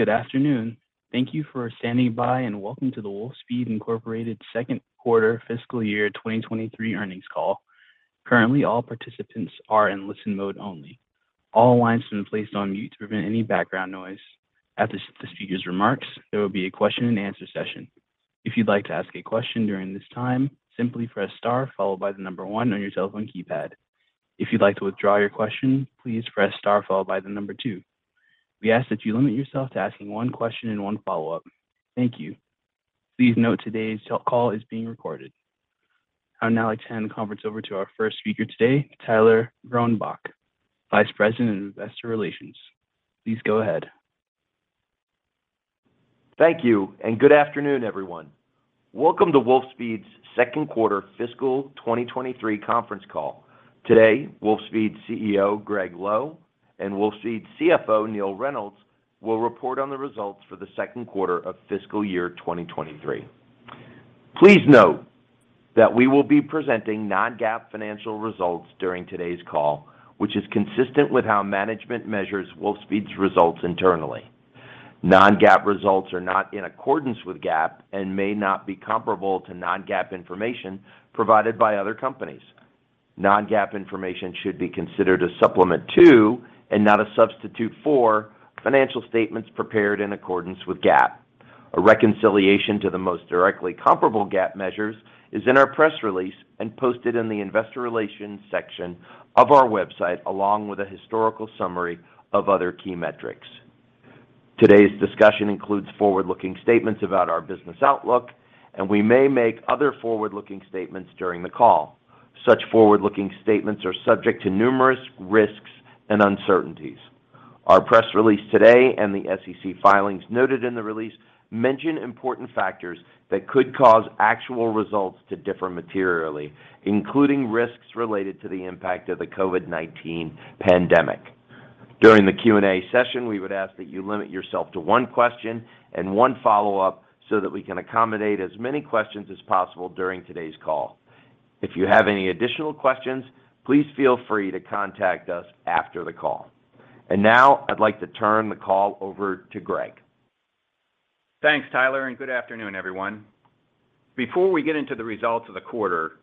Good afternoon. Thank you for standing by, and welcome to the Wolfspeed, Inc. Q2 fiscal year 2023 earnings call. Currently, all participants are in listen mode only. All lines have been placed on mute to prevent any background noise. After the speakers' remarks, there will be a question-and-answer session. If you'd like to ask a question during this time, simply press star followed by the 1 on your telephone keypad. If you'd like to withdraw your question, please press star followed by the 2. We ask that you limit yourself to asking one question and one follow-up. Thank you. Please note today's call is being recorded. I would now like to hand the conference over to our first speaker today, Tyler Gronbach, Vice President of Investor Relations. Please go ahead. Thank you, good afternoon, everyone. Welcome to Wolfspeed's Q2 fiscal 2023 conference call. Today, Wolfspeed CEO Gregg Lowe and Wolfspeed CFO Neill Reynolds will report on the results for the Q2 of fiscal year 2023. Please note that we will be presenting non-GAAP financial results during today's call, which is consistent with how management measures Wolfspeed's results internally. Non-GAAP results are not in accordance with GAAP and may not be comparable to non-GAAP information provided by other companies. Non-GAAP information should be considered a supplement to, and not a substitute for, financial statements prepared in accordance with GAAP. A reconciliation to the most directly comparable GAAP measures is in our press release and posted in the investor relations section of our website, along with a historical summary of other key metrics. Today's discussion includes forward-looking statements about our business outlook, and we may make other forward-looking statements during the call. Such forward-looking statements are subject to numerous risks and uncertainties. Our press release today and the SEC filings noted in the release mention important factors that could cause actual results to differ materially, including risks related to the impact of the COVID-19 pandemic. During the Q&A session, we would ask that you limit yourself to one question and one follow-up so that we can accommodate as many questions as possible during today's call. If you have any additional questions, please feel free to contact us after the call. Now I'd like to turn the call over to Gregg. Thanks, Tyler, and good afternoon, everyone. Before we get into the results of the quarter,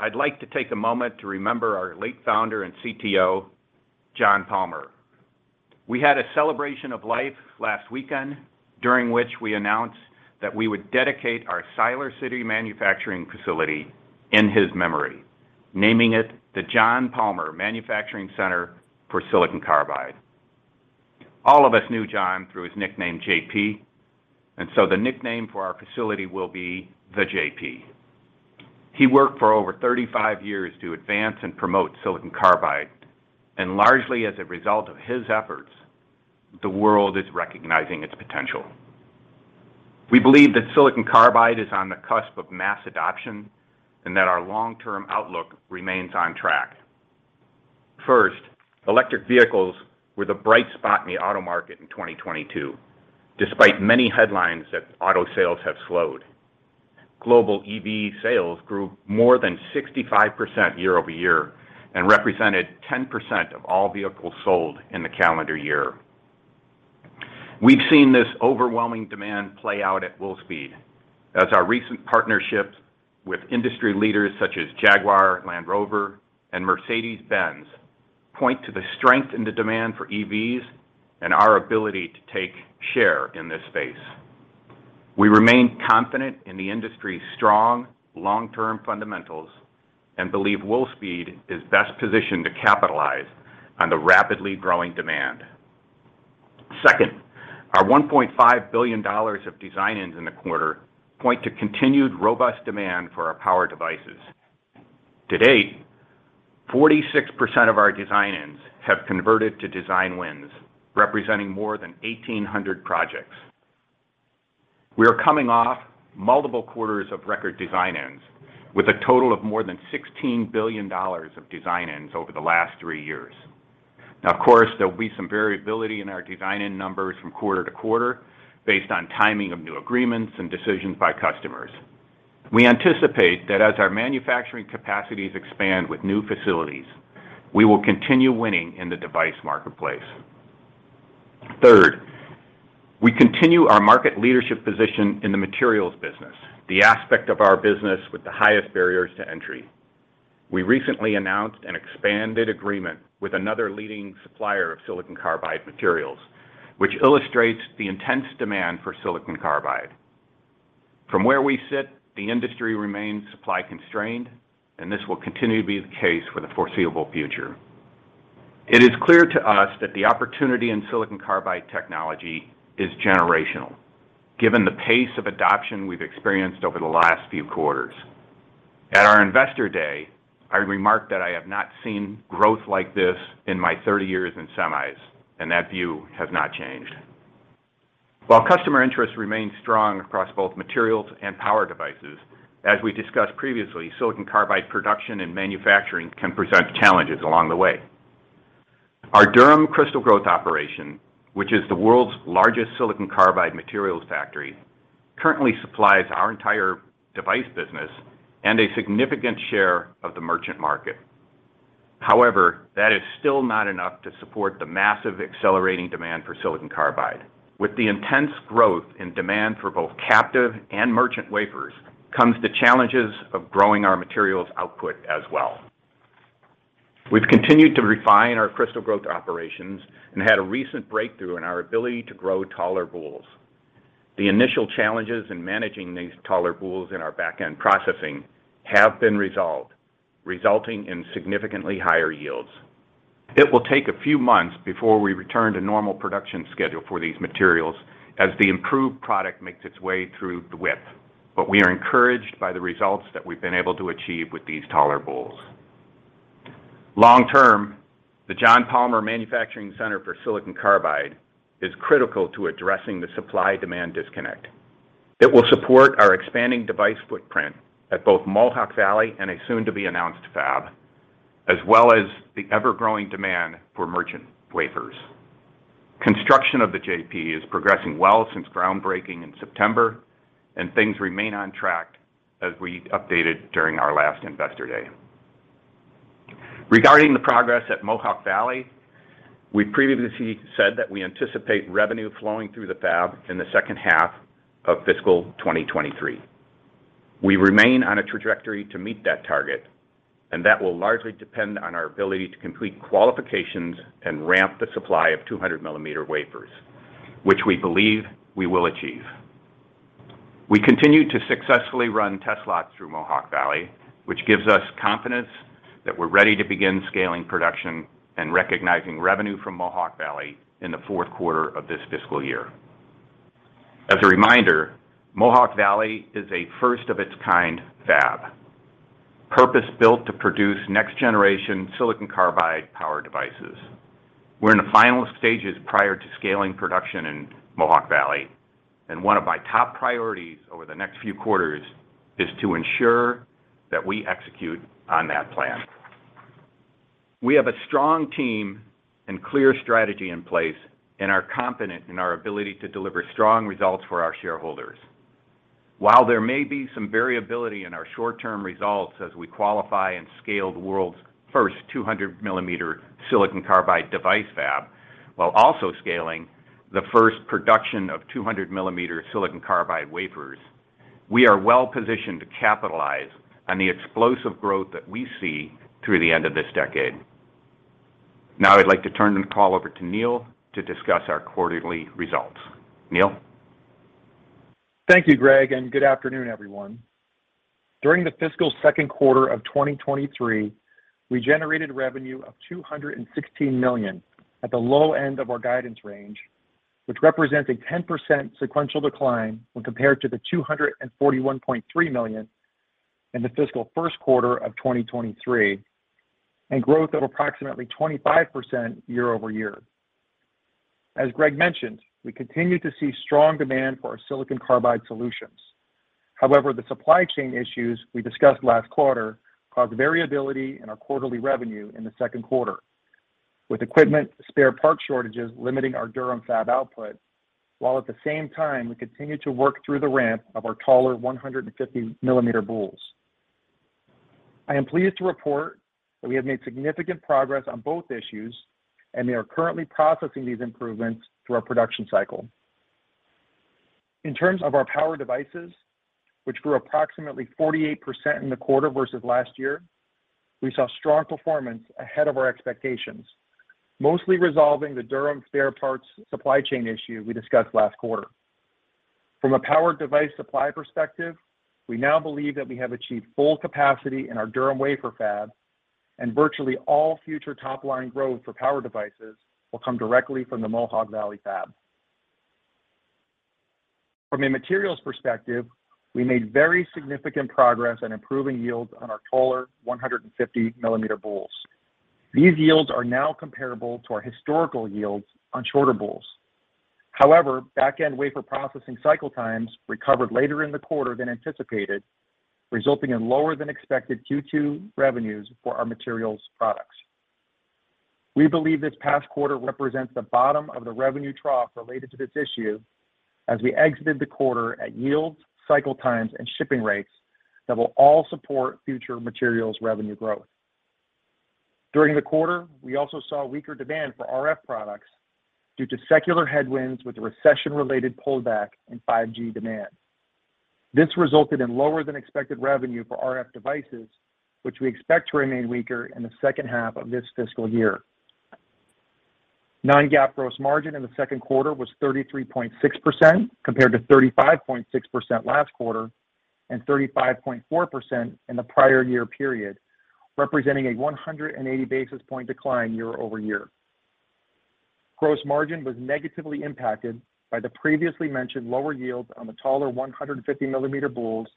I'd like to take a moment to remember our late founder and CTO, John Palmour. We had a celebration of life last weekend, during which we announced that we would dedicate our Siler City manufacturing facility in his memory, naming it the John Palmour Manufacturing Center for Silicon Carbide. All of us knew John through his nickname JP, and so the nickname for our facility will be The JP. He worked for over 35 years to advance and promote silicon carbide, and largely as a result of his efforts, the world is recognizing its potential. We believe that silicon carbide is on the cusp of mass adoption and that our long-term outlook remains on track. Electric vehicles were the bright spot in the auto market in 2022, despite many headlines that auto sales have slowed. Global EV sales grew more than 65% year-over-year and represented 10% of all vehicles sold in the calendar year. We've seen this overwhelming demand play out at Wolfspeed as our recent partnerships with industry leaders such as Jaguar, Land Rover, and Mercedes-Benz point to the strength in the demand for EVs and our ability to take share in this space. We remain confident in the industry's strong long-term fundamentals and believe Wolfspeed is best positioned to capitalize on the rapidly growing demand. Our $1.5 billion of design-ins in the quarter point to continued robust demand for our power devices. To date, 46% of our design-ins have converted to design wins, representing more than 1,800 projects. We are coming off multiple quarters of record design-ins, with a total of more than $16 billion of design-ins over the last three years. Of course, there will be some variability in our design-in numbers from quarter-to-quarter based on timing of new agreements and decisions by customers. We anticipate that as our manufacturing capacities expand with new facilities, we will continue winning in the device marketplace. Third, we continue our market leadership position in the materials business, the aspect of our business with the highest barriers to entry. We recently announced an expanded agreement with another leading supplier of silicon carbide materials, which illustrates the intense demand for silicon carbide. From where we sit, the industry remains supply constrained, and this will continue to be the case for the foreseeable future. It is clear to us that the opportunity in silicon carbide technology is generational, given the pace of adoption we've experienced over the last few quarters. At our Investor Day, I remarked that I have not seen growth like this in my 30 years in semis, and that view has not changed. While customer interest remains strong across both materials and power devices, as we discussed previously, silicon carbide production and manufacturing can present challenges along the way. Our Durham crystal growth operation, which is the world's largest silicon carbide materials factory, currently supplies our entire device business and a significant share of the merchant market. However, that is still not enough to support the massive accelerating demand for silicon carbide. With the intense growth in demand for both captive and merchant wafers comes the challenges of growing our materials output as well. We've continued to refine our crystal growth operations and had a recent breakthrough in our ability to grow taller boules. The initial challenges in managing these taller boules in our back-end processing have been resolved, resulting in significantly higher yields. It will take a few months before we return to normal production schedule for these materials as the improved product makes its way through the WIP. We are encouraged by the results that we've been able to achieve with these taller boules. Long-term, the John Palmour Manufacturing Center for Silicon Carbidey is critical to addressing the supply-demand disconnect. It will support our expanding device footprint at both Mohawk Valley and a soon-to-be-announced fab, as well as the ever-growing demand for merchant wafers. Construction of the JP is progressing well since groundbreaking in September, and things remain on track as we updated during our last Investor Day. Regarding the progress at Mohawk Valley, we previously said that we anticipate revenue flowing through the fab in the second half of fiscal 2023. We remain on a trajectory to meet that target, that will largely depend on our ability to complete qualifications and ramp the supply of 200 millimeter wafers, which we believe we will achieve. We continue to successfully run test lots through Mohawk Valley, which gives us confidence that we're ready to begin scaling production and recognizing revenue from Mohawk Valley in the Q4 of this fiscal year. As a reminder, Mohawk Valley is a first-of-its-kind fab, purpose-built to produce next-generation silicon carbide power devices. We're in the final stages prior to scaling production in Mohawk Valley, one of my top priorities over the next few quarters is to ensure that we execute on that plan. We have a strong team and clear strategy in place, and are confident in our ability to deliver strong results for our shareholders. While there may be some variability in our short-term results as we qualify and scale the world's first 200 millimeter silicon carbide device fab, while also scaling the first production of 200 millimeter silicon carbide wafers, we are well-positioned to capitalize on the explosive growth that we see through the end of this decade. Now I'd like to turn the call over to Neill to discuss our quarterly results. Neill? Thank you, Gregg. Good afternoon, everyone. During the fiscal Q2 of 2023, we generated revenue of $216 million at the low end of our guidance range, which represents a 10% sequential decline when compared to the $241.3 million in the fiscal Q1 of 2023, and growth of approximately 25% year-over-year. As Gregg mentioned, we continue to see strong demand for our silicon carbide solutions. However, the supply chain issues we discussed last quarter caused variability in our quarterly revenue in the second quarter. With equipment spare parts shortages limiting our Durham fab output, while at the same time, we continue to work through the ramp of our taller 150 millimeter boules. I am pleased to report that we have made significant progress on both issues, and we are currently processing these improvements through our production cycle. In terms of our power devices, which grew approximately 48% in the quarter versus last year, we saw strong performance ahead of our expectations, mostly resolving the Durham spare parts supply chain issue we discussed last quarter. From a power device supply perspective, we now believe that we have achieved full capacity in our Durham wafer fab and virtually all future top-line growth for power devices will come directly from the Mohawk Valley fab. From a materials perspective, we made very significant progress on improving yields on our taller 150 millimeter boules. These yields are now comparable to our historical yields on shorter boules. Back-end wafer processing cycle times recovered later in the quarter than anticipated, resulting in lower than expected Q2 revenues for our materials products. We believe this past quarter represents the bottom of the revenue trough related to this issue as we exited the quarter at yields, cycle times, and shipping rates that will all support future materials revenue growth. During the quarter, we also saw weaker demand for RF products due to secular headwinds with the recession-related pullback in 5G demand. This resulted in lower than expected revenue for RF devices, which we expect to remain weaker in the second half of this fiscal year. non-GAAP gross margin in the Q2 was 33.6% compared to 35.6% last quarter and 35.4% in the prior year period, representing a 180 basis point decline year-over-year. Gross margin was negatively impacted by the previously mentioned lower yields on the taller 150 mm boules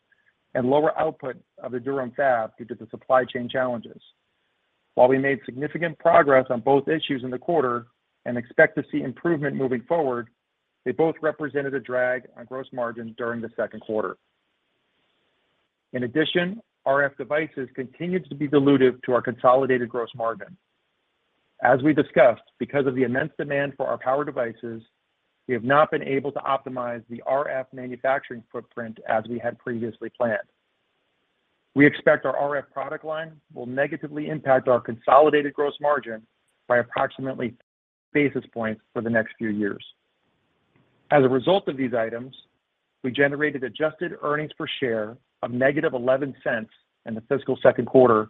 and lower output of the Durham fab due to the supply chain challenges. We made significant progress on both issues in the quarter and expect to see improvement moving forward, they both represented a drag on gross margin during the second quarter. In addition, RF devices continued to be dilutive to our consolidated gross margin. As we discussed, because of the immense demand for our power devices, we have not been able to optimize the RF manufacturing footprint as we had previously planned. We expect our RF product line will negatively impact our consolidated gross margin by approximately basis points for the next few years. As a result of these items, we generated adjusted earnings per share of -$0.11 in the fiscal second quarter,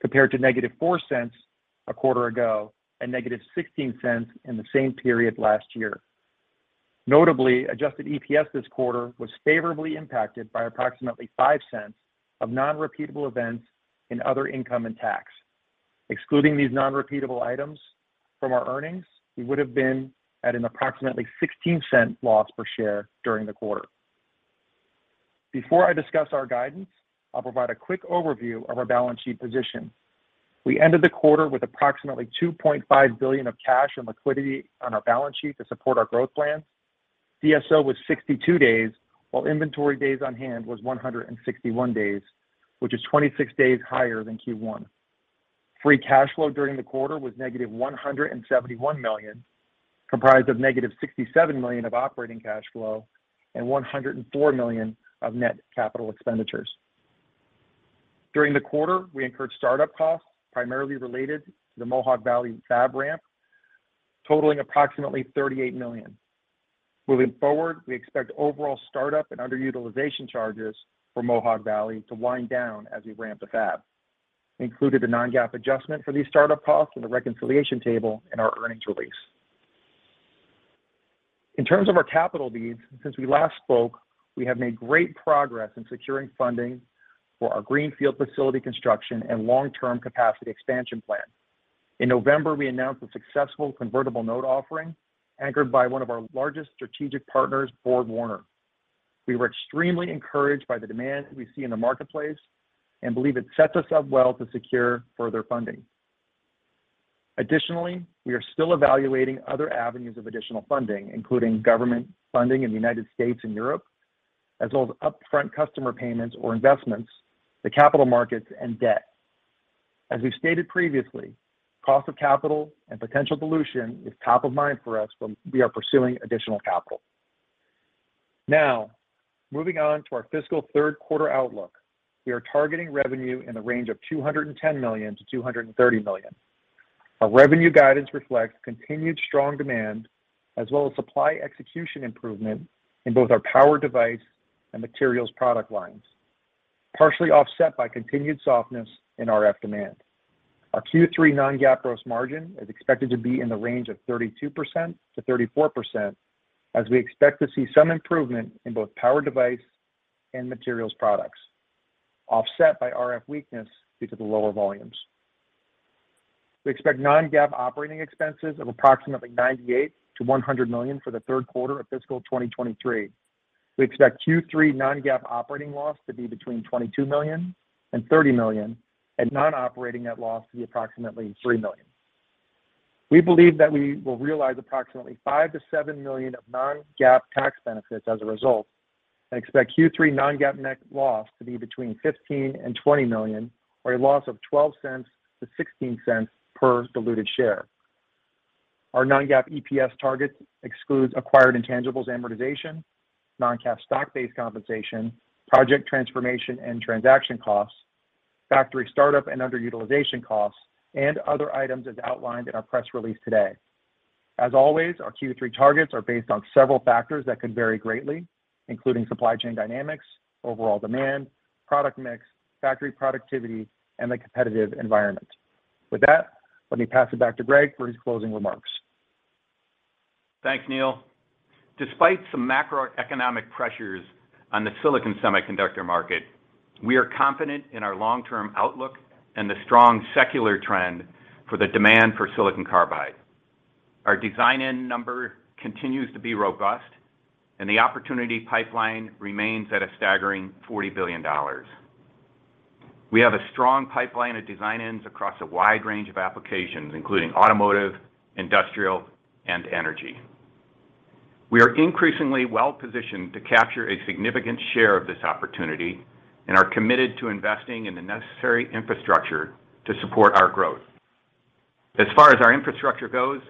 compared to -$0.04 a quarter ago and -$0.16 in the same period last year. Notably, adjusted EPS this quarter was favorably impacted by approximately $0.05 of non-repeatable events in other income and tax. Excluding these non-repeatable items from our earnings, we would have been at an approximately $0.16 loss per share during the quarter. Before I discuss our guidance, I'll provide a quick overview of our balance sheet position. We ended the quarter with approximately $2.5 billion of cash and liquidity on our balance sheet to support our growth plans. DSO was 62 days, while inventory days on hand was 161 days, which is 26 days higher than Q1. Free cash flow during the quarter was -$171 million, comprised of -$67 million of operating cash flow and $104 million of net capital expenditures. During the quarter, we incurred startup costs primarily related to the Mohawk Valley fab ramp, totaling approximately $38 million. Moving forward, we expect overall startup and underutilization charges for Mohawk Valley to wind down as we ramp the fab. We included a non-GAAP adjustment for these startup costs in the reconciliation table in our earnings release. In terms of our capital needs, since we last spoke, we have made great progress in securing funding for our Greenfield facility construction and long-term capacity expansion plan. In November, we announced a successful convertible note offering anchored by one of our largest strategic partners, BorgWarner. We were extremely encouraged by the demand we see in the marketplace and believe it sets us up well to secure further funding. Additionally, we are still evaluating other avenues of additional funding, including government funding in the United States and Europe, as well as upfront customer payments or investments, the capital markets, and debt. As we've stated previously, cost of capital and potential dilution is top of mind for us while we are pursuing additional capital. Now, moving on to our fiscal Q3 outlook. We are targeting revenue in the range of $210 million-$230 million. Our revenue guidance reflects continued strong demand as well as supply execution improvement in both our power device and materials product lines, partially offset by continued softness in RF demand. Our Q3 non-GAAP gross margin is expected to be in the range of 32%-34%, as we expect to see some improvement in both power device and materials products, offset by RF weakness due to the lower volumes. We expect non-GAAP operating expenses of approximately $98 million-$100 million for the Q3 of fiscal 2023. We expect Q3 non-GAAP operating loss to be between $22 million and $30 million, and non-operating net loss to be approximately $3 million. We believe that we will realize approximately $5 million-$7 million of non-GAAP tax benefits as a result, and expect Q3 non-GAAP net loss to be between $15 million and $20 million, or a loss of $0.12-$0.16 per diluted share. Our non-GAAP EPS target excludes acquired intangibles amortization, non-cash stock-based compensation, project transformation and transaction costs, factory startup and underutilization costs, and other items as outlined in our press release today. As always, our Q3 targets are based on several factors that could vary greatly, including supply chain dynamics, overall demand, product mix, factory productivity, and the competitive environment. With that, let me pass it back to Greg for his closing remarks. Thanks, Neill. Despite some macroeconomic pressures on the silicon semiconductor market, we are confident in our long-term outlook and the strong secular trend for the demand for silicon carbide. Our design-in number continues to be robust, and the opportunity pipeline remains at a staggering $40 billion. We have a strong pipeline of design-ins across a wide range of applications, including automotive, industrial, and energy. We are increasingly well-positioned to capture a significant share of this opportunity and are committed to investing in the necessary infrastructure to support our growth. As far as our infrastructure goes,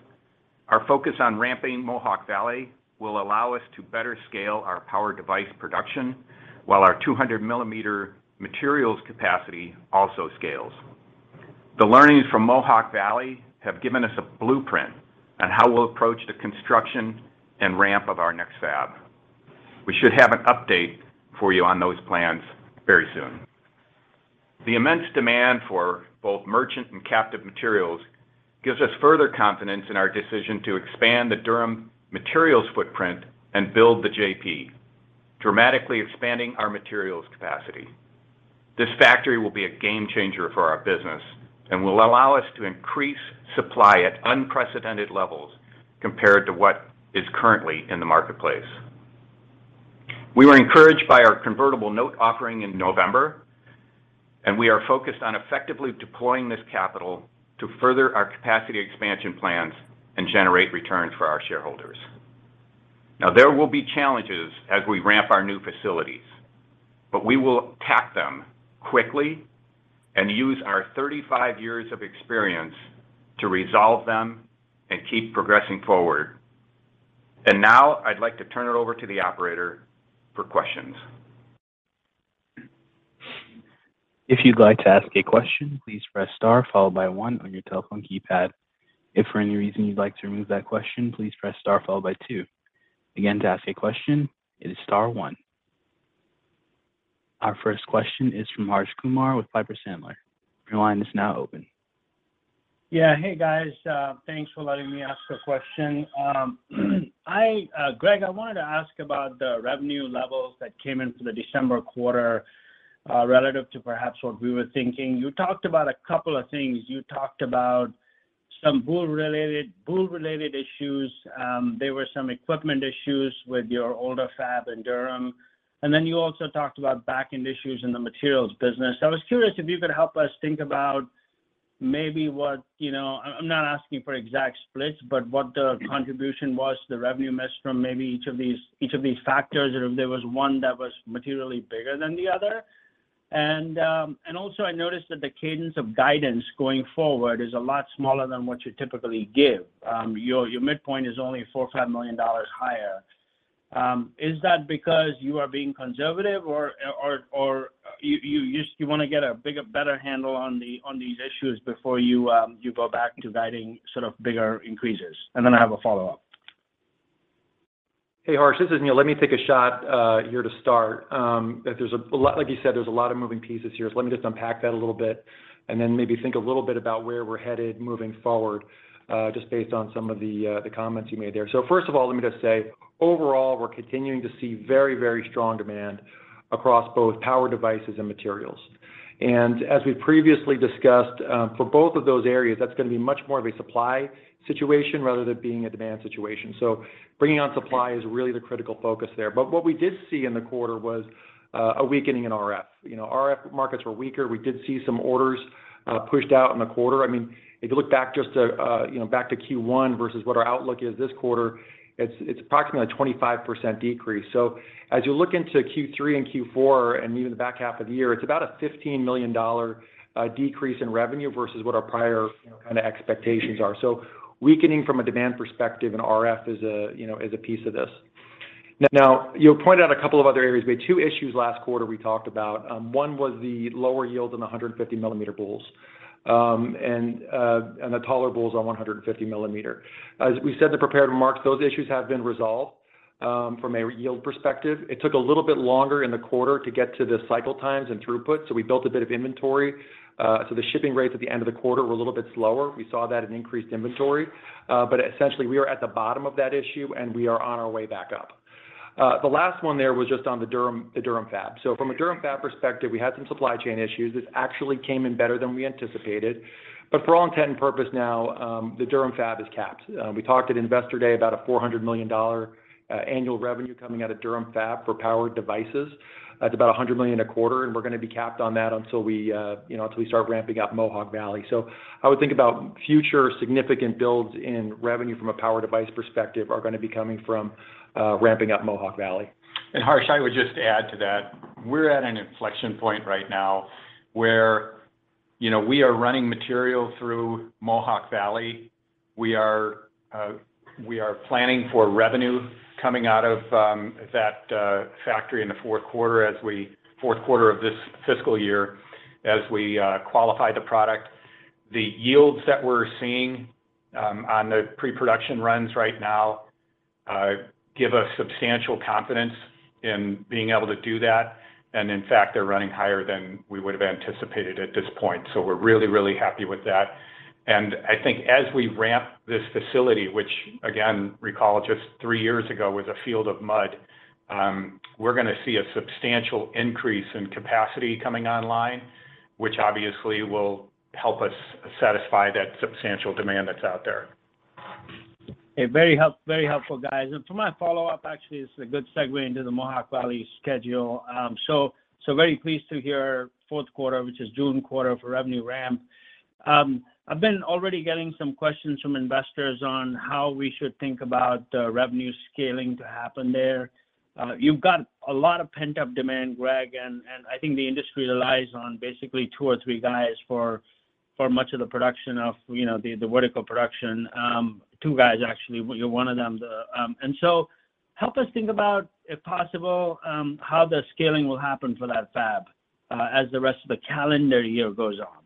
our focus on ramping Mohawk Valley will allow us to better scale our power device production while our 200 millimeter materials capacity also scales. The learnings from Mohawk Valley have given us a blueprint on how we'll approach the construction and ramp of our next fab. We should have an update for you on those plans very soon. The immense demand for both merchant and captive materials gives us further confidence in our decision to expand the Durham materials footprint and build the JP, dramatically expanding our materials capacity. This factory will be a game changer for our business and will allow us to increase supply at unprecedented levels compared to what is currently in the marketplace. We were encouraged by our convertible note offering in November. We are focused on effectively deploying this capital to further our capacity expansion plans and generate returns for our shareholders. Now, there will be challenges as we ramp our new facilities, but we will attack them quickly and use our 35 years of experience to resolve them and keep progressing forward. Now I'd like to turn it over to the operator for questions. If you'd like to ask a question, please press star followed by one on your telephone keypad. If for any reason you'd like to remove that question, please press star followed by two. Again, to ask a question, it is star one. Our first question is from Harsh Kumar with Piper Sandler. Your line is now open. Yeah. Hey, guys. Thanks for letting me ask a question. Gregg, I wanted to ask about the revenue levels that came in for the December quarter relative to perhaps what we were thinking. You talked about a couple of things. You talked about some boule-related issues. There were some equipment issues with your older fab in Durham, and then you also talked about back end issues in the materials business. I was curious if you could help us think about maybe what, you know, I'm not asking for exact splits, but what the contribution was, the revenue mix from maybe each of these factors, or if there was one that was materially bigger than the other. Also I noticed that the cadence of guidance going forward is a lot smaller than what you typically give. Your midpoint is only $4 million-$5 million higher. Is that because you are being conservative or you just wanna get a bigger, better handle on these issues before you go back to guiding sort of bigger increases? Then I have a follow-up. Hey, Harsh, this is Neil. Let me take a shot here to start. Like you said, there's a lot of moving pieces here. Let me just unpack that a little bit and then maybe think a little bit about where we're headed moving forward, just based on some of the comments you made there. First of all, let me just say, overall, we're continuing to see very, very strong demand across both power devices and materials. As we previously discussed, for both of those areas, that's gonna be much more of a supply situation rather than being a demand situation. Bringing on supply is really the critical focus there. What we did see in the quarter was a weakening in RF. You know, RF markets were weaker. We did see some orders pushed out in the quarter. I mean, if you look back just to back to Q1 versus what our outlook is this quarter, it's approximately a 25% decrease. As you look into Q3 and Q4, and even the back half of the year, it's about a $15 million decrease in revenue versus what our prior kinda expectations are. Weakening from a demand perspective in RF is a piece of this. Now, you pointed out a couple of other areas. We had two issues last quarter we talked about. One was the lower yields in the 150 millimeter boules, and the taller boules on 150 millimeter. As we said in the prepared remarks, those issues have been resolved from a yield perspective. It took a little bit longer in the quarter to get to the cycle times and throughput, so we built a bit of inventory. The shipping rates at the end of the quarter were a little bit slower. We saw that in increased inventory. Essentially we are at the bottom of that issue, and we are on our way back up. The last one there was just on the Durham fab. From a Durham fab perspective, we had some supply chain issues. This actually came in better than we anticipated. For all intent and purpose now, the Durham fab is capped. We talked at Investor Day about a $400 million annual revenue coming out of Durham fab for power devices. That's about $100 million a quarter, and we're gonna be capped on that until we, you know, until we start ramping up Mohawk Valley. I would think about future significant builds in revenue from a power device perspective are gonna be coming from ramping up Mohawk Valley. Harsh, I would just add to that, we're at an inflection point right now where, you know, we are running material through Mohawk Valley. We are planning for revenue coming out of that factory in the Q4 of this fiscal year as we qualify the product. The yields that we're seeing on the pre-production runs right now give us substantial confidence in being able to do that. In fact, they're running higher than we would have anticipated at this point. We're really, really happy with that. I think as we ramp this facility, which again, recall just three years ago was a field of mud, we're gonna see a substantial increase in capacity coming online, which obviously will help us satisfy that substantial demand that's out there. Hey, very helpful, guys. For my follow-up, actually, it's a good segue into the Mohawk Valley schedule. So very pleased to hear fourth quarter, which is June quarter, for revenue ramp. I've been already getting some questions from investors on how we should think about revenue scaling to happen there. You've got a lot of pent-up demand, Greg, and I think the industry relies on basically two or three guys for much of the production of, you know, the vertical production. Two guys actually, you're one of them. Help us think about, if possible, how the scaling will happen for that fab as the rest of the calendar year goes on.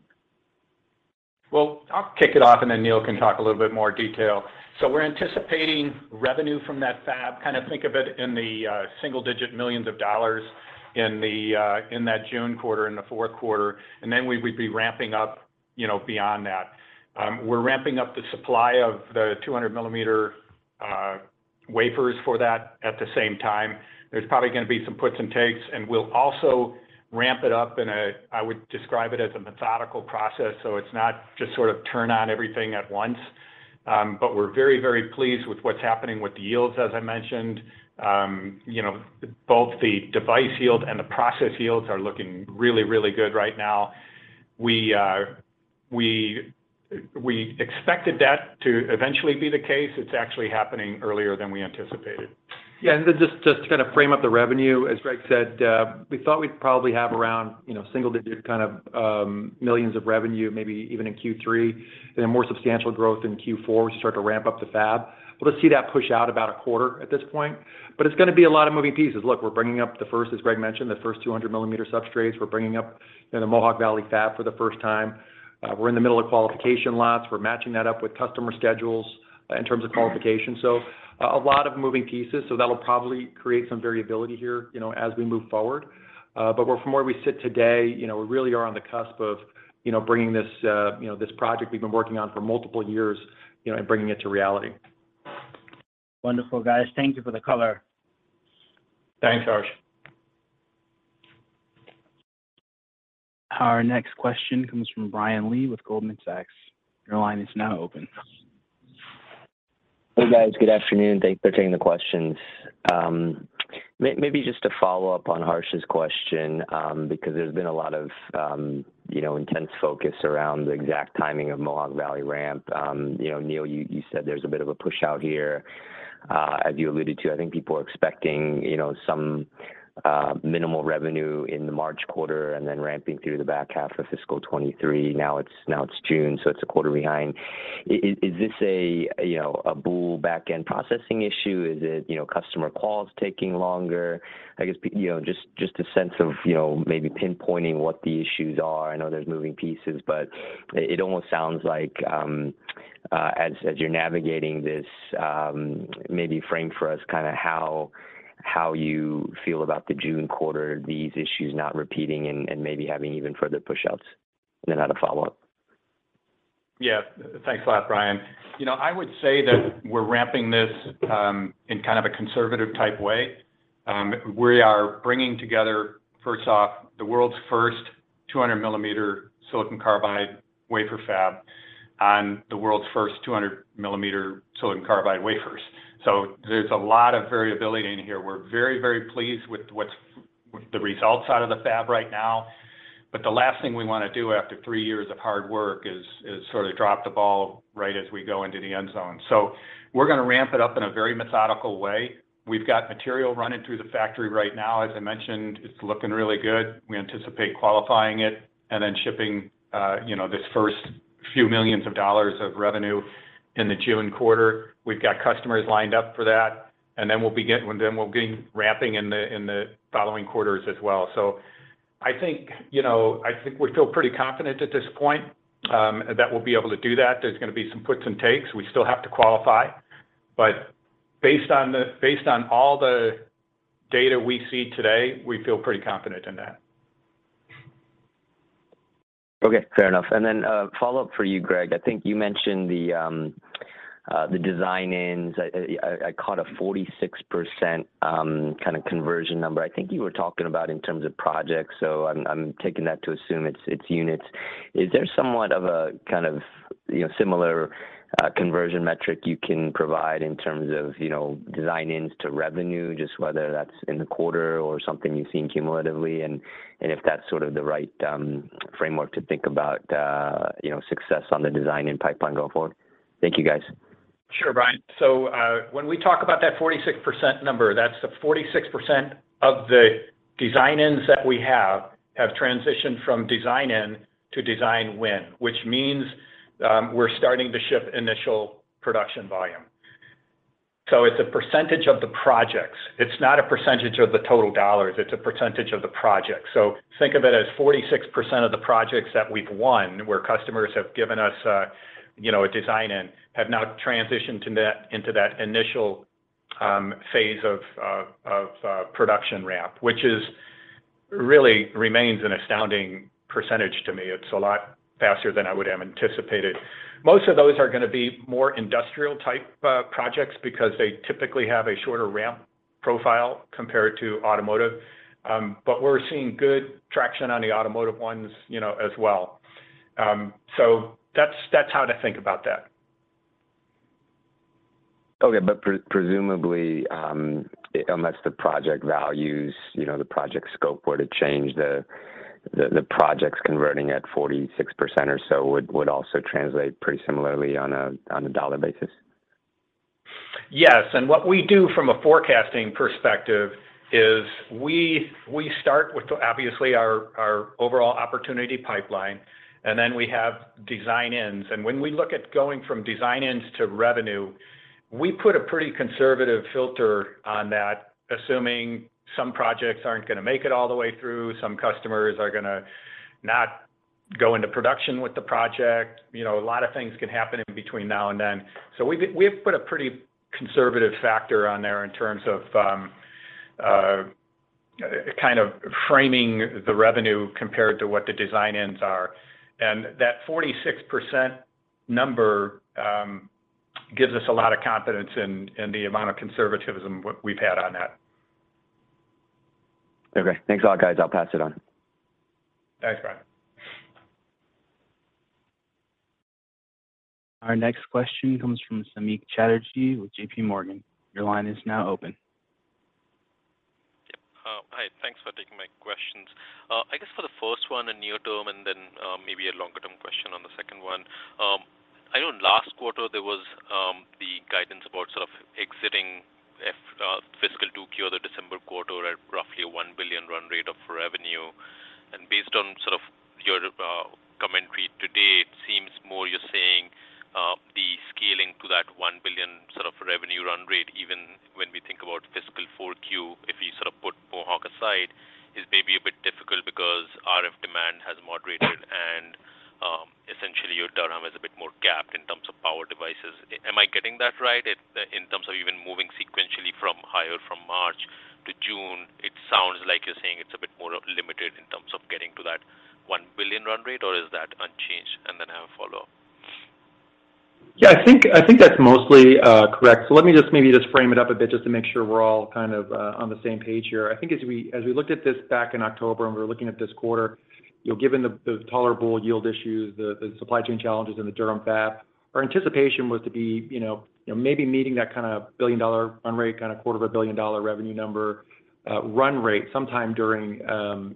I'll kick it off, and then Neil can talk a little bit more detail. We're anticipating revenue from that fab, kind of think of it in the single-digit millions of dollars in the June quarter, in the fourth quarter, and then we would be ramping up, you know, beyond that. We're ramping up the supply of the 200 millimeter wafers for that at the same time. There's probably gonna be some puts and takes, and we'll also ramp it up in a I would describe it as a methodical process, it's not just sort of turn on everything at once. We're very, very pleased with what's happening with the yields, as I mentioned. You know, both the device yield and the process yields are looking really, really good right now. We expected that to eventually be the case. It's actually happening earlier than we anticipated. Just to kind of frame up the revenue, as Gregg Lowe said, we thought we'd probably have around, you know, single digit millions of revenue, maybe even in Q3, a more substantial growth in Q4 as we start to ramp up the fab. Let's see that push out about a quarter at this point. It's gonna be a lot of moving pieces. Look, we're bringing up the first, as Gregg Lowe mentioned, the first 200 millimeter substrates. We're bringing up in the Mohawk Valley fab for the first time. We're in the middle of qualification lots. We're matching that up with customer schedules in terms of qualification. A lot of moving pieces, so that'll probably create some variability here, you know, as we move forward. From where we sit today, you know, we really are on the cusp of, you know, bringing this, you know, this project we've been working on for multiple years, you know, and bringing it to reality. Wonderful, guys. Thank you for the color. Thanks, Harsh. Our next question comes from Brian Lee with Goldman Sachs. Your line is now open. Hey, guys. Good afternoon. Thanks for taking the questions. Maybe just to follow up on Harsh's question, because there's been a lot of, you know, intense focus around the exact timing of Mohawk Valley ramp. You know, Neill, you said there's a bit of a push out here, as you alluded to. I think people are expecting, you know, some minimal revenue in the March quarter and then ramping through the back half of fiscal 23. Now it's June, so it's a quarter behind. Is this a, you know, a boule back-end processing issue? Is it, you know, customer calls taking longer? I guess, you know, just a sense of, you know, maybe pinpointing what the issues are. I know there's moving pieces, but it almost sounds like, as you're navigating this, maybe frame for us kinda how you feel about the June quarter, these issues not repeating and maybe having even further push outs. Then I had a follow-up. Yeah. Thanks a lot, Brian. You know, I would say that we're ramping this in kind of a conservative type way. We are bringing together, first off, the world's first 200 millimeter silicon carbide wafer fab on the world's first 200 millimeter silicon carbide wafers. There's a lot of variability in here. We're very, very pleased with the results out of the fab right now. The last thing we wanna do after 3 years of hard work is sort of drop the ball right as we go into the end zone. We're gonna ramp it up in a very methodical way. We've got material running through the factory right now. As I mentioned, it's looking really good. We anticipate qualifying it and then shipping, you know, this first few millions of dollars of revenue in the June quarter. We've got customers lined up for that. Well, then we'll be ramping in the following quarters as well. I think, you know, I think we feel pretty confident at this point, that we'll be able to do that. There's gonna be some puts and takes. We still have to qualify. Based on all the data we see today, we feel pretty confident in that. Okay. Fair enough. Then a follow-up for you, Greg. I think you mentioned the design-ins. I caught a 46% kind of conversion number. I think you were talking about in terms of projects, so I'm taking that to assume it's units. Is there somewhat of a kind of, you know, similar conversion metric you can provide in terms of, you know, design-ins to revenue, just whether that's in the quarter or something you've seen cumulatively, and if that's sort of the right framework to think about, you know, success on the design and pipeline going forward? Thank you, guys. Sure, Brian. When we talk about that 46% number, that's the 46% of the design-ins that we have transitioned from design-in to design win, which means, we're starting to ship initial production volume. It's a percentage of the projects. It's not a percentage of the total dollars. It's a percentage of the projects. Think of it as 46% of the projects that we've won, where customers have given us, you know, a design-in, have now transitioned into that initial phase of production ramp, which is really remains an astounding percentage to me. It's a lot faster than I would have anticipated. Most of those are gonna be more industrial type projects because they typically have a shorter ramp profile compared to automotive. We're seeing good traction on the automotive ones, you know, as well. That's how to think about that. Okay. Presumably, unless the project values, you know, the project scope were to change the projects converting at 46% or so would also translate pretty similarly on a dollar basis. Yes. What we do from a forecasting perspective is we start with obviously our overall opportunity pipeline, then we have design-ins. When we look at going from design-ins to revenue, we put a pretty conservative filter on that, assuming some projects aren't gonna make it all the way through, some customers are gonna not go into production with the project. You know, a lot of things can happen in between now and then. We've put a pretty conservative factor on there in terms of kind of framing the revenue compared to what the design-ins are. That 46% number gives us a lot of confidence in the amount of conservatism we've had on that. Okay. Thanks a lot, guys. I'll pass it on. Thanks, Brian. Our next question comes from Samik Chatterjee with JP Morgan. Your line is now open Thanks for taking my questions. I guess for the first one, a near term and then maybe a longer-term question on the second one. I know last quarter there was the guidance about sort of exiting fiscal 2Q, the December quarter at roughly a $1 billion run rate of revenue. Based on sort of your commentary today, it seems more you're saying the scaling to that $1 billion sort of revenue run rate, even when we think about fiscal 4Q, if you sort of put Mohawk aside, is maybe a bit difficult because RF demand has moderated and essentially your Durham is a bit more capped in terms of power devices. Am I getting that right in terms of even moving sequentially from higher from March to June? It sounds like you're saying it's a bit more limited in terms of getting to that $1 billion run rate, or is that unchanged? I have a follow-up. Yeah. I think that's mostly correct. Let me just maybe just frame it up a bit just to make sure we're all kind of on the same page here. I think as we looked at this back in October, we were looking at this quarter, you know, given the tolerable yield issues, the supply chain challenges in the Durham fab, our anticipation was to be, you know, maybe meeting that kind of billion-dollar run rate, kind of quarter of a billion dollar revenue number, run rate sometime during,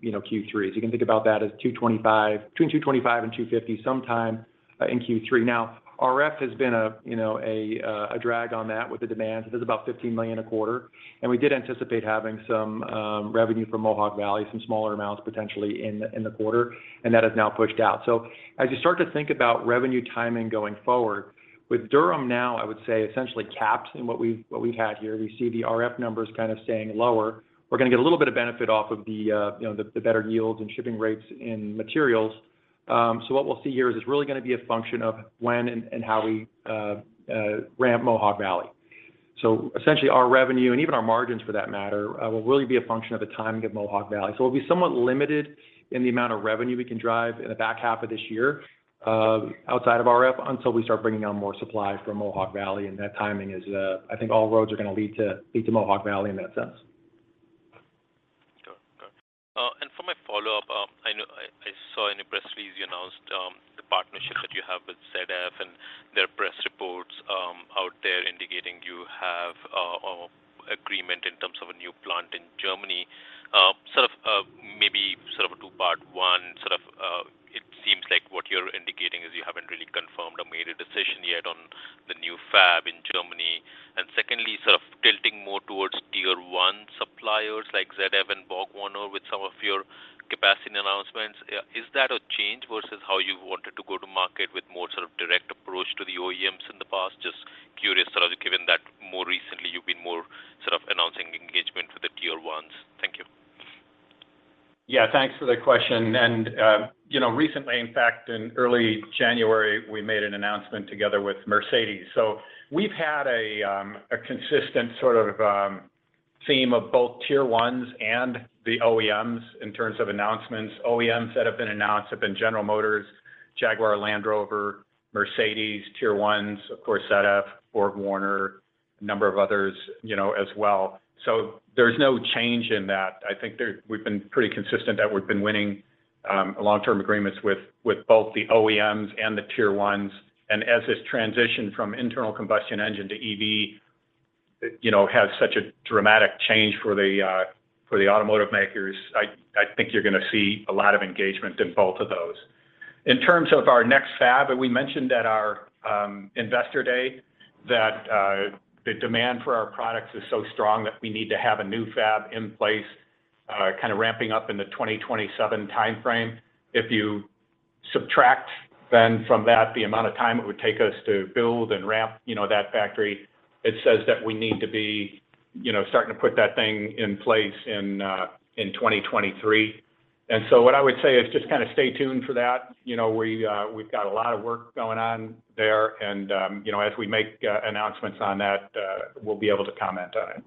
you know, Q3. You can think about that as between $225 million and $250 million sometime in Q3. RF has been a, you know, a drag on that with the demands. It is about $15 million a quarter, and we did anticipate having some revenue from Mohawk Valley, some smaller amounts potentially in the quarter, and that is now pushed out. As you start to think about revenue timing going forward, with Durham now, I would say essentially capped in what we had here. We see the RF numbers kind of staying lower. We're gonna get a little bit of benefit off of the, you know, the better yields and shipping rates in materials. What we'll see here is it's really gonna be a function of when and how we ramp Mohawk Valley. Essentially our revenue and even our margins for that matter, will really be a function of the timing of Mohawk Valley. We'll be somewhat limited in the amount of revenue we can drive in the back half of this year, outside of RF until we start bringing on more supply from Mohawk Valley, and that timing is, I think all roads are gonna lead to Mohawk Valley in that sense. Got it. Got it. For my follow-up, I know I saw in your press release you announced the partnership that you have with ZF and their press reports out there indicating you have a agreement in terms of a new plant in Germany. Sort of, maybe sort of a two part one, sort of, it seems like what you're indicating is you haven't really confirmed or made a decision yet on the new fab in Germany. Secondly, sort of tilting more towards tier one suppliers like ZF and BorgWarner with some of your capacity announcements. Is that a change versus how you wanted to go to market with more sort of direct approach to the OEMs in the past? Just curious, sort of given that more recently you've been more sort of announcing engagement with the tier ones. Thank you. Yeah. Thanks for the question. You know, recently, in fact, in early January, we made an announcement together with Mercedes. We've had a consistent sort of theme of both tier ones and the OEMs in terms of announcements. OEMs that have been announced have been General Motors, Jaguar Land Rover, Mercedes, tier ones, of course, ZF, BorgWarner, a number of others, you know, as well. There's no change in that. I think we've been pretty consistent that we've been winning long-term agreements with both the OEMs and the tier ones. As this transition from internal combustion engine to EV, you know, has such a dramatic change for the automotive makers, I think you're gonna see a lot of engagement in both of those. In terms of our next fab, we mentioned at our Investor Day that the demand for our products is so strong that we need to have a new fab in place, kind of ramping up in the 2027 timeframe. If you subtract then from that the amount of time it would take us to build and ramp, you know, that factory, it says that we need to be, you know, starting to put that thing in place in 2023. What I would say is just kind of stay tuned for that. You know, we've got a lot of work going on there and, you know, as we make announcements on that, we'll be able to comment on it.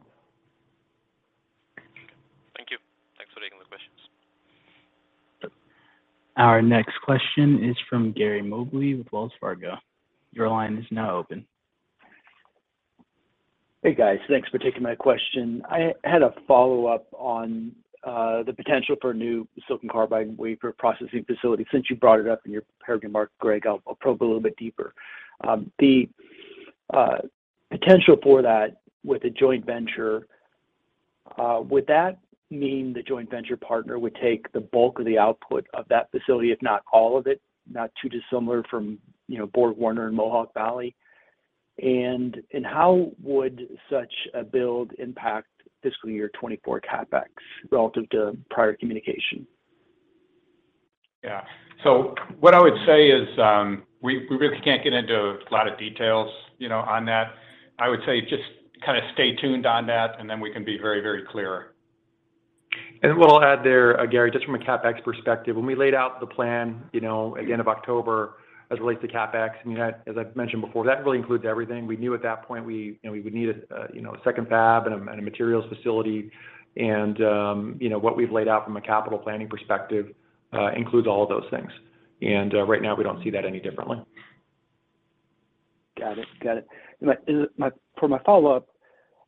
Thank you. Thanks for taking the questions. Our next question is from Gary Gudice with Wells Fargo. Your line is now open. Hey, guys. Thanks for taking my question. I had a follow-up on the potential for new silicon carbide wafer processing facility. Since you brought it up in your prepared remarks, Greg, I'll probe a little bit deeper. The potential for that with a joint venture, would that mean the joint venture partner would take the bulk of the output of that facility, if not all of it, not too dissimilar from, you know, BorgWarner and Mohawk Valley? How would such a build impact fiscal year 24 CapEx relative to prior communication? Yeah. What I would say is, we really can't get into a lot of details, you know, on that. I would say just kinda stay tuned on that, and then we can be very, very clear. A little add there, Gary, just from a CapEx perspective, when we laid out the plan, you know, at the end of October as it relates to CapEx, I mean, as I've mentioned before, that really includes everything. We knew at that point we, you know, we would need a, you know, a second fab and a materials facility. You know, what we've laid out from a capital planning perspective includes all of those things. Right now we don't see that any differently. Got it. Got it. For my follow-up,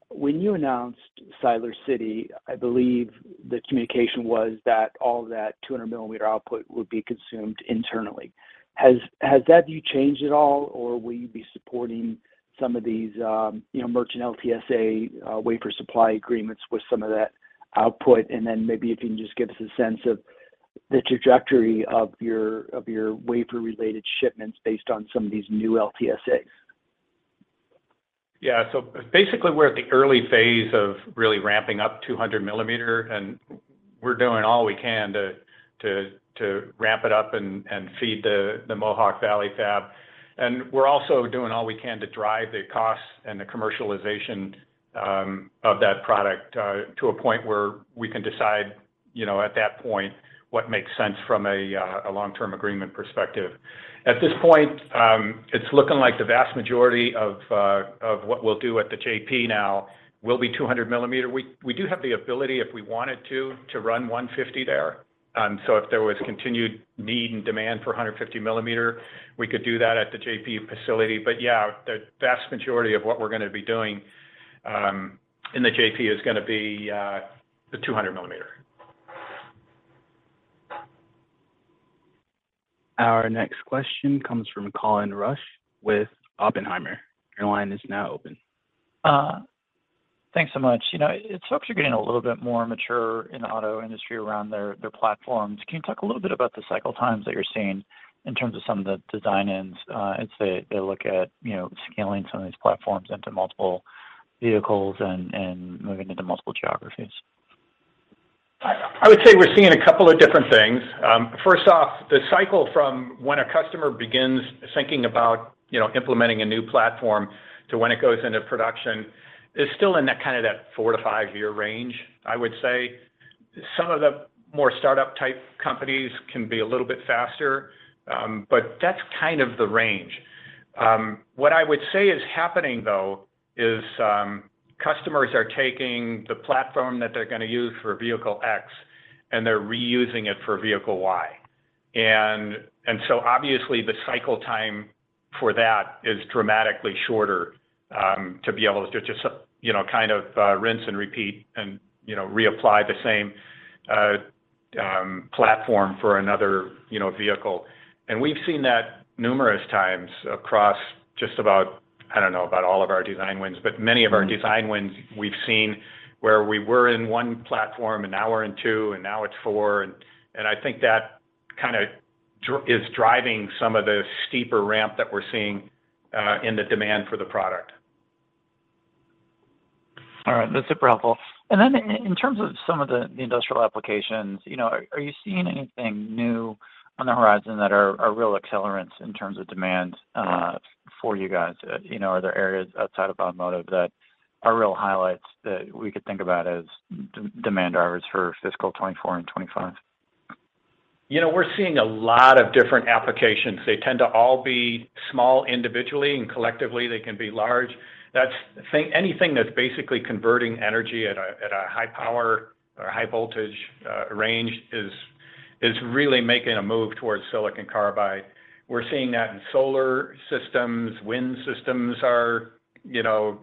when you announced Siler City, I believe the communication was that all that 200 millimeter output would be consumed internally. Has that view changed at all, or will you be supporting some of these, you know, merchant LTSA wafer supply agreements with some of that output? Then maybe if you can just give us a sense of The trajectory of your wafer-related shipments based on some of these new LTSAs. Basically, we're at the early phase of really ramping up 200 millimeter, and we're doing all we can to ramp it up and feed the Mohawk Valley fab. We're also doing all we can to drive the costs and the commercialization of that product to a point where we can decide, you know, at that point what makes sense from a long-term agreement perspective. At this point, it's looking like the vast majority of what we'll do at the JP now will be 200 millimeter. We do have the ability, if we wanted to run 150 there. If there was continued need and demand for 150 millimeter, we could do that at the JP facility. Yeah, the vast majority of what we're gonna be doing, in the JP is gonna be, the 200 millimeter. Our next question comes from Colin Rusch with Oppenheimer. Your line is now open. Thanks so much. You know, it sucks you're getting a little bit more mature in the auto industry around their platforms. Can you talk a little bit about the cycle times that you're seeing in terms of some of the design-ins, as they look at, you know, scaling some of these platforms into multiple vehicles and moving into multiple geographies? I would say we're seeing a couple of different things. First off, the cycle from when a customer begins thinking about, you know, implementing a new platform to when it goes into production is still in that kind of that 4-5 year range, I would say. Some of the more startup type companies can be a little bit faster, but that's kind of the range. What I would say is happening though is, customers are taking the platform that they're gonna use for vehicle X, and they're reusing it for vehicle Y. So obviously the cycle time for that is dramatically shorter, to be able to just, you know, kind of, rinse and repeat and, you know, reapply the same platform for another, you know, vehicle. We've seen that numerous times across just about, I don't know, about all of our design wins, but many of our design wins we've seen where we were in one platform, and now we're in two, and now it's four. I think that kind of is driving some of the steeper ramp that we're seeing in the demand for the product. All right. That's super helpful. In terms of some of the industrial applications, you know, are you seeing anything new on the horizon that are real accelerants in terms of demand for you guys? You know, are there areas outside of automotive that are real highlights that we could think about as demand drivers for fiscal 2024 and 2025? You know, we're seeing a lot of different applications. They tend to all be small individually. Collectively they can be large. Anything that's basically converting energy at a high power or high voltage range is really making a move towards silicon carbide. We're seeing that in solar systems. Wind systems are, you know,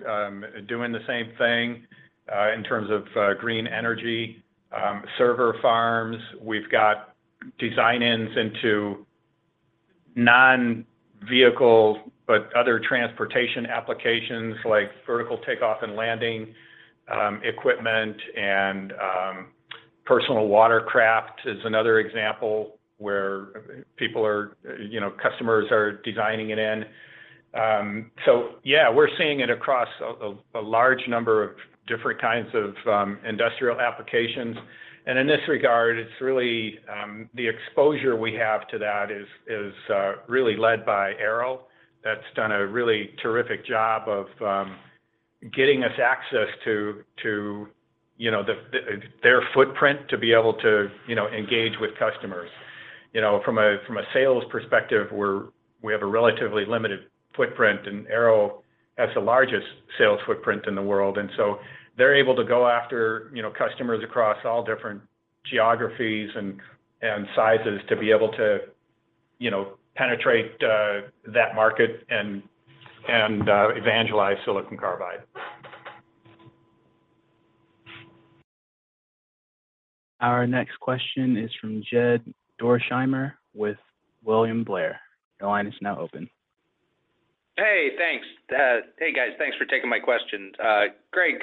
doing the same thing in terms of green energy. Server farms, we've got design-ins into non-vehicle but other transportation applications like vertical takeoff and landing equipment and personal watercraft is another example where people are, you know, customers are designing it in. Yeah, we're seeing it across a large number of different kinds of industrial applications. In this regard, it's really the exposure we have to that is really led by Arrow. That's done a really terrific job of getting us access to, you know, their footprint to be able to, you know, engage with customers. You know, from a, from a sales perspective, we have a relatively limited footprint, and Arrow has the largest sales footprint in the world. They're able to go after, you know, customers across all different geographies and sizes to be able to, you know, penetrate that market and evangelize silicon carbide. Our next question is from Jed Dorsheimer with William Blair. Your line is now open. Hey, thanks. Hey guys. Thanks for taking my questions. Greg,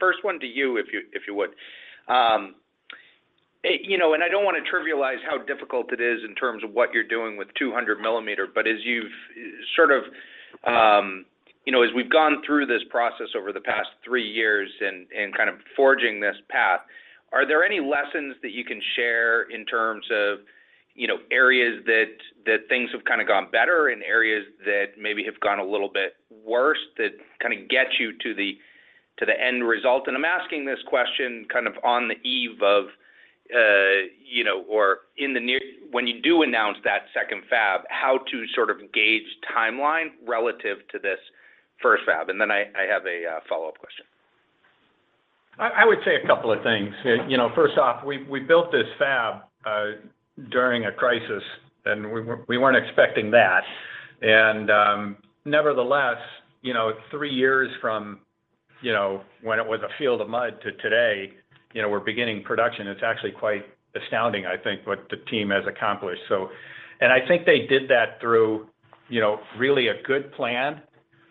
first one to you if you would. you know, I don't want to trivialize how difficult it is in terms of what you're doing with 200 millimeter, but as you've sort of, you know, as we've gone through this process over the past 3 years kind of forging this path, are there any lessons that you can share in terms of, you know, areas that things have kind of gone better and areas that maybe have gone a little bit worse that kind of get you to the end result? I'm asking this question kind of on the eve of, you know, or when you do announce that second fab, how to sort of gauge timeline relative to this first fab. Then I have a follow-up question. I would say a couple of things. you know, first off, we built this fab during a crisis, and we weren't expecting that. Nevertheless, you know, 3 years from, you know, when it was a field of mud to today, you know, we're beginning production, it's actually quite astounding, I think, what the team has accomplished. I think they did that through, you know, really a good plan,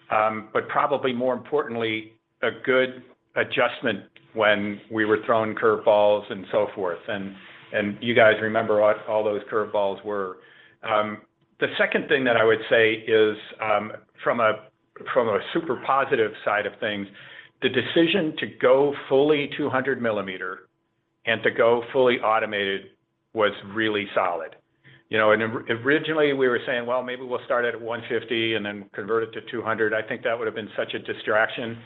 but probably more importantly, a good adjustment when we were thrown curve balls and so forth. You guys remember what all those curve balls were. The second thing that I would say is, from a super positive side of things, the decision to go fully 200 millimeter and to go fully automated was really solid. You know, originally, we were saying, "Well, maybe we'll start at 150 and then convert it to 200." I think that would have been such a distraction.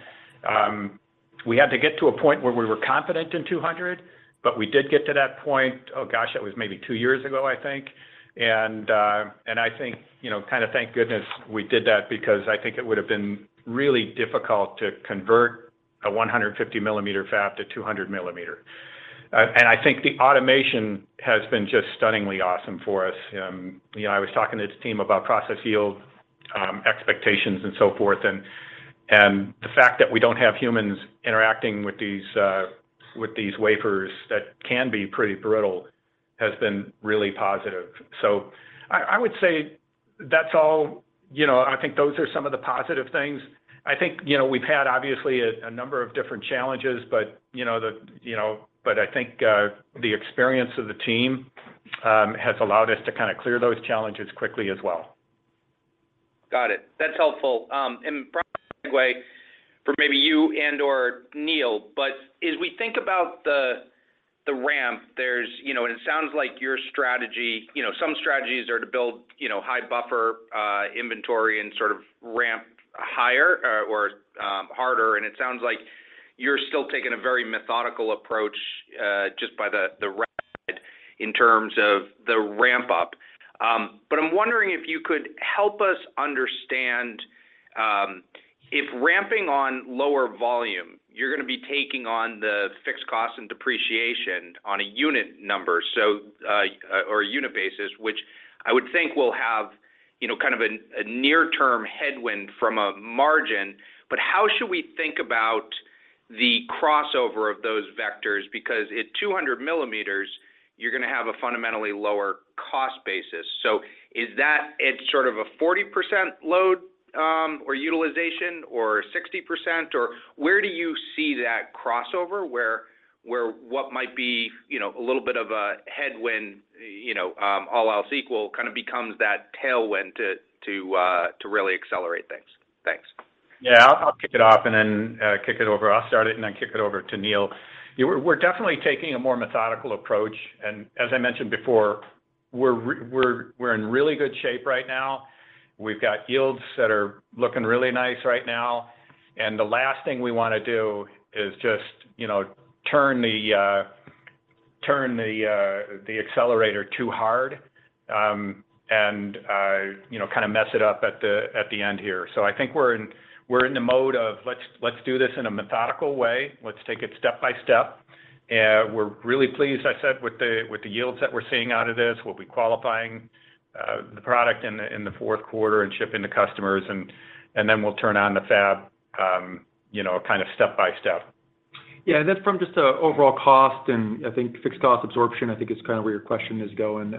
We had to get to a point where we were confident in 200, but we did get to that point, oh gosh, that was maybe 2 years ago, I think. I think, you know, kind of thank goodness we did that because I think it would have been really difficult to convert a 150 millimeter fab to 200 millimeter. I think the automation has been just stunningly awesome for us. You know, I was talking to the team about process yield, expectations and so forth, and the fact that we don't have humans interacting with these wafers that can be pretty brittle has been really positive. I would say that's all, you know, I think those are some of the positive things. I think, you know, we've had obviously a number of different challenges, but, you know, but I think, the experience of the team, has allowed us to kind of clear those challenges quickly as well. Got it. That's helpful. Probably segue for maybe you and/or Neil, but as we think about the ramp, there's, you know, it sounds like your strategy, you know, some strategies are to build, you know, high buffer, inventory and sort of ramp higher or, harder. It sounds like you're still taking a very methodical approach, just by the in terms of the ramp up. I'm wondering if you could help us understand, if ramping on lower volume, you're gonna be taking on the fixed cost and depreciation on a unit number or a unit basis, which I would think will have, you know, kind of a near term headwind from a margin. How should we think about the crossover of those vectors? At 200 millimeters, you're gonna have a fundamentally lower cost basis. Is that at sort of a 40% load, or utilization or 60%, or where do you see that crossover where what might be, you know, a little bit of a headwind, you know, all else equal, kind of becomes that tailwind to really accelerate things? Thanks. Yeah. I'll kick it off and then kick it over. I'll start it and then kick it over to Neil. Yeah, we're definitely taking a more methodical approach. As I mentioned before, we're in really good shape right now. We've got yields that are looking really nice right now. The last thing we wanna do is just, you know, turn the accelerator too hard, and, you know, kind of mess it up at the end here. I think we're in the mode of let's do this in a methodical way. Let's take it step by step. We're really pleased, I said, with the yields that we're seeing out of this. We'll be qualifying, the product in the Q4 and shipping to customers and then we'll turn on the fab, you know, kind of step by step. Yeah. Then from just a overall cost and I think fixed cost absorption, I think is kind of where your question is going.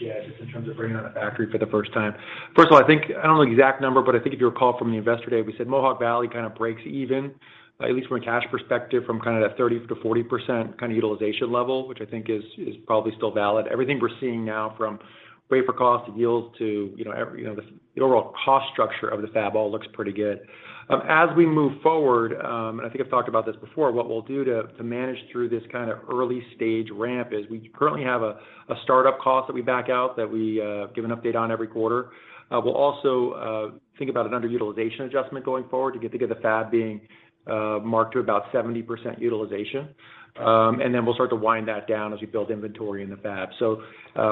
Yeah, just in terms of bringing on a factory for the first time. First of all, I think, I don't know the exact number, but I think if you recall from the Investor Day, we said Mohawk Valley kind of breaks even, at least from a cash perspective, from kind of that 30%-40% kind of utilization level, which I think is probably still valid. Everything we're seeing now from wafer cost to yields to, you know, every, you know, the overall cost structure of the fab all looks pretty good. As we move forward, and I think I've talked about this before, what we'll do to manage through this kind of early stage ramp is we currently have a startup cost that we back out that we give an update on every quarter. We'll also think about an underutilization adjustment going forward to get the, get the fab being marked to about 70% utilization. We'll start to wind that down as we build inventory in the fab.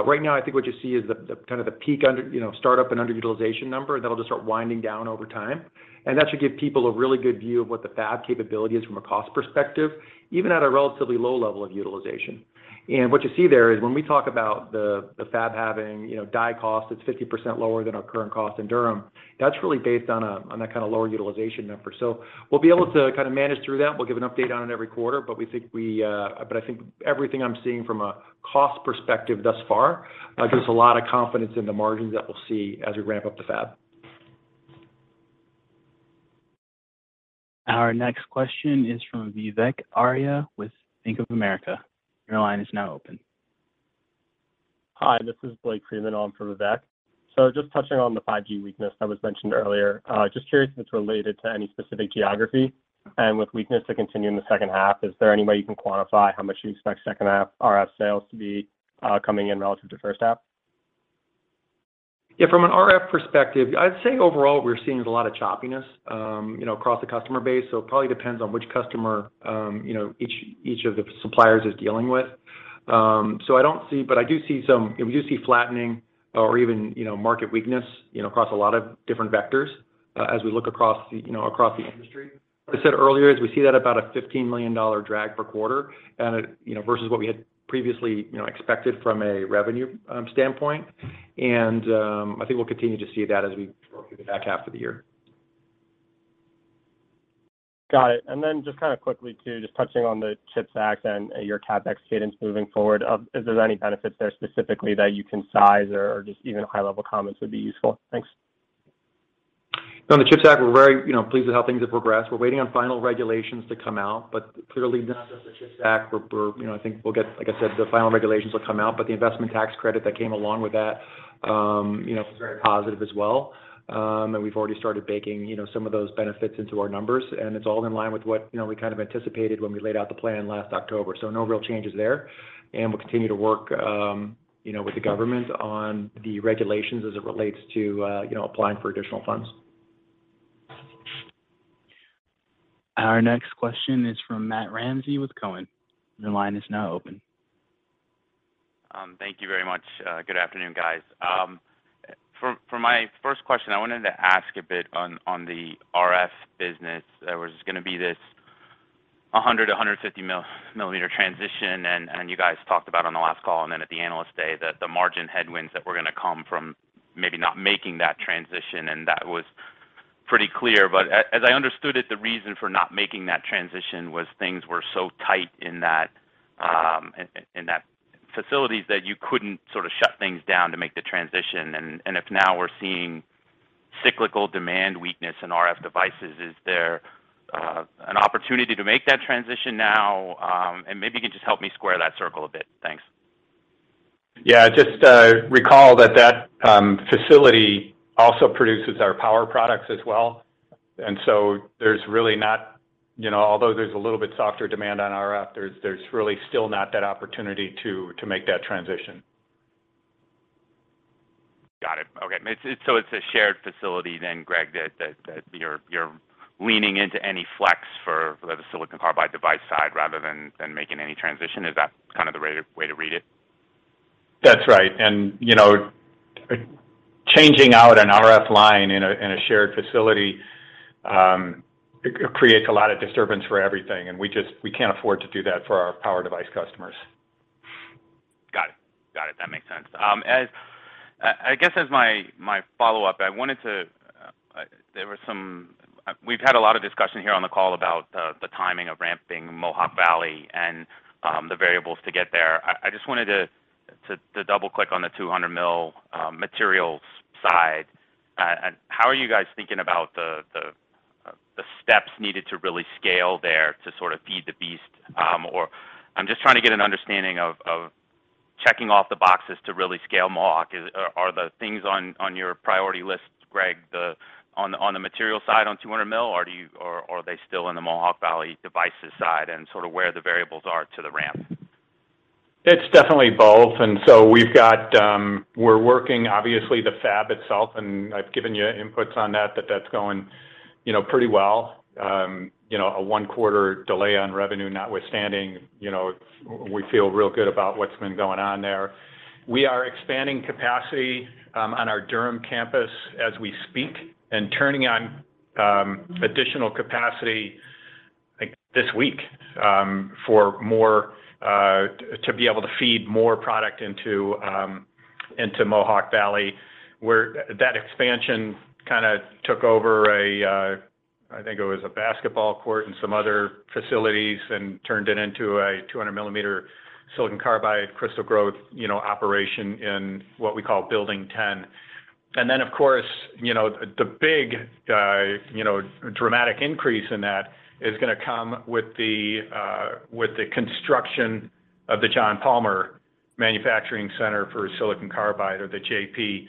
Right now I think what you see is the kind of the peak under, you know, startup and underutilization number, and that'll just start winding down over time. That should give people a really good view of what the fab capability is from a cost perspective, even at a relatively low level of utilization. What you see there is when we talk about the fab having, you know, die cost that's 50% lower than our current cost in Durham, that's really based on a, on that kind of lower utilization number. We'll be able to kind of manage through that. We'll give an update on it every quarter, we think we, but I think everything I'm seeing from a cost perspective thus far, gives a lot of confidence in the margins that we'll see as we ramp up the fab. Our next question is from Vivek Arya with Bank of America. Your line is now open. Hi, this is Blake Freeman. I'm from Vivek. Just touching on the 5G weakness that was mentioned earlier, just curious if it's related to any specific geography. With weakness to continue in the second half, is there any way you can quantify how much you expect second half RF sales to be coming in relative to first half? From an RF perspective, I'd say overall we're seeing a lot of choppiness, you know, across the customer base. It probably depends on which customer, you know, each of the suppliers is dealing with. I don't see. But I do see some. We do see flattening or even, you know, market weakness, you know, across a lot of different vectors, as we look across, you know, across the industry. As I said earlier, is we see that about a $15 million drag per quarter and it, you know, versus what we had previously, you know, expected from a revenue standpoint. I think we'll continue to see that as we go through the back half of the year. Got it. Then just kind of quickly too, just touching on the CHIPS Act and your CapEx cadence moving forward, if there's any benefits there specifically that you can size or just even high-level comments would be useful. Thanks. On the CHIPS Act, we're very, you know, pleased with how things have progressed. We're waiting on final regulations to come out, but clearly not just the CHIPS Act. You know, I think Like I said, the final regulations will come out, but the investment tax credit that came along with that, you know, is very positive as well. We've already started baking, you know, some of those benefits into our numbers, and it's all in line with what, you know, we kind of anticipated when we laid out the plan last October. No real changes there. We'll continue to work, you know, with the government on the regulations as it relates to, you know, applying for additional funds. Our next question is from Matt Ramsey with Cowen. Your line is now open. Thank you very much. Good afternoon, guys. For my first question, I wanted to ask a bit on the RF business. There was gonna be this 150-millimeter transition, and you guys talked about on the last call and then at the Analyst Day, the margin headwinds that were gonna come from maybe not making that transition, and that was pretty clear. As I understood it, the reason for not making that transition was things were so tight in that facilities that you couldn't sort of shut things down to make the transition. If now we're seeing cyclical demand weakness in RF devices, is there an opportunity to make that transition now? And maybe you can just help me square that circle a bit. Thanks. Yeah. Just recall that facility also produces our power products as well. There's really not. You know, although there's a little bit softer demand on RF, there's really still not that opportunity to make that transition. Got it. Okay. It's a shared facility then, Gregg, that you're leaning into any flex for the silicon carbide device side rather than making any transition. Is that kind of the right way to read it? That's right. You know, changing out an RF line in a, in a shared facility, it creates a lot of disturbance for everything, and we just, we can't afford to do that for our power device customers. Got it. Got it. That makes sense. I guess as my follow-up, I wanted to. We've had a lot of discussion here on the call about the timing of ramping Mohawk Valley and the variables to get there. I just wanted to double-click on the $200 million materials side. How are you guys thinking about the steps needed to really scale there to sort of feed the beast? I'm just trying to get an understanding of checking off the boxes to really scale Mohawk. Are the things on your priority list, Greg, on the material side on 200 mm, or are they still in the Mohawk Valley devices side and sort of where the variables are to the ramp? It's definitely both. We've got, we're working obviously the fab itself, and I've given you inputs on that that's going, you know, pretty well. You know, a one-quarter delay on revenue notwithstanding, you know, we feel real good about what's been going on there. We are expanding capacity on our Durham campus as we speak and turning on additional capacity, I think this week, for more to be able to feed more product into Mohawk Valley, where that expansion kind of took over a, I think it was a basketball court and some other facilities and turned it into a 200 millimeter silicon carbide crystal growth, you know, operation in what we call Building 10. Of course, you know, the big, you know, dramatic increase in that is gonna come with the construction of the John Palmour Manufacturing Center for Silicon Carbide or the JP.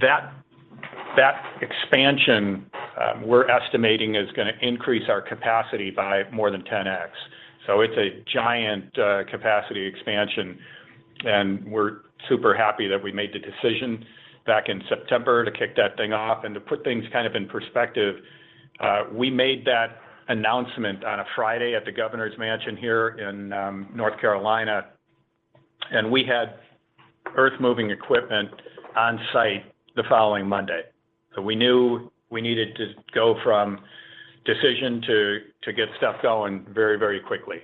That, that expansion, we're estimating is gonna increase our capacity by more than 10x. It's a giant capacity expansion, and we're super happy that we made the decision back in September to kick that thing off. To put things kind of in perspective, we made that announcement on a Friday at the governor's mansion here in North Carolina, and we had earth-moving equipment on site the following Monday. We knew we needed to go from decision to get stuff going very, very quickly.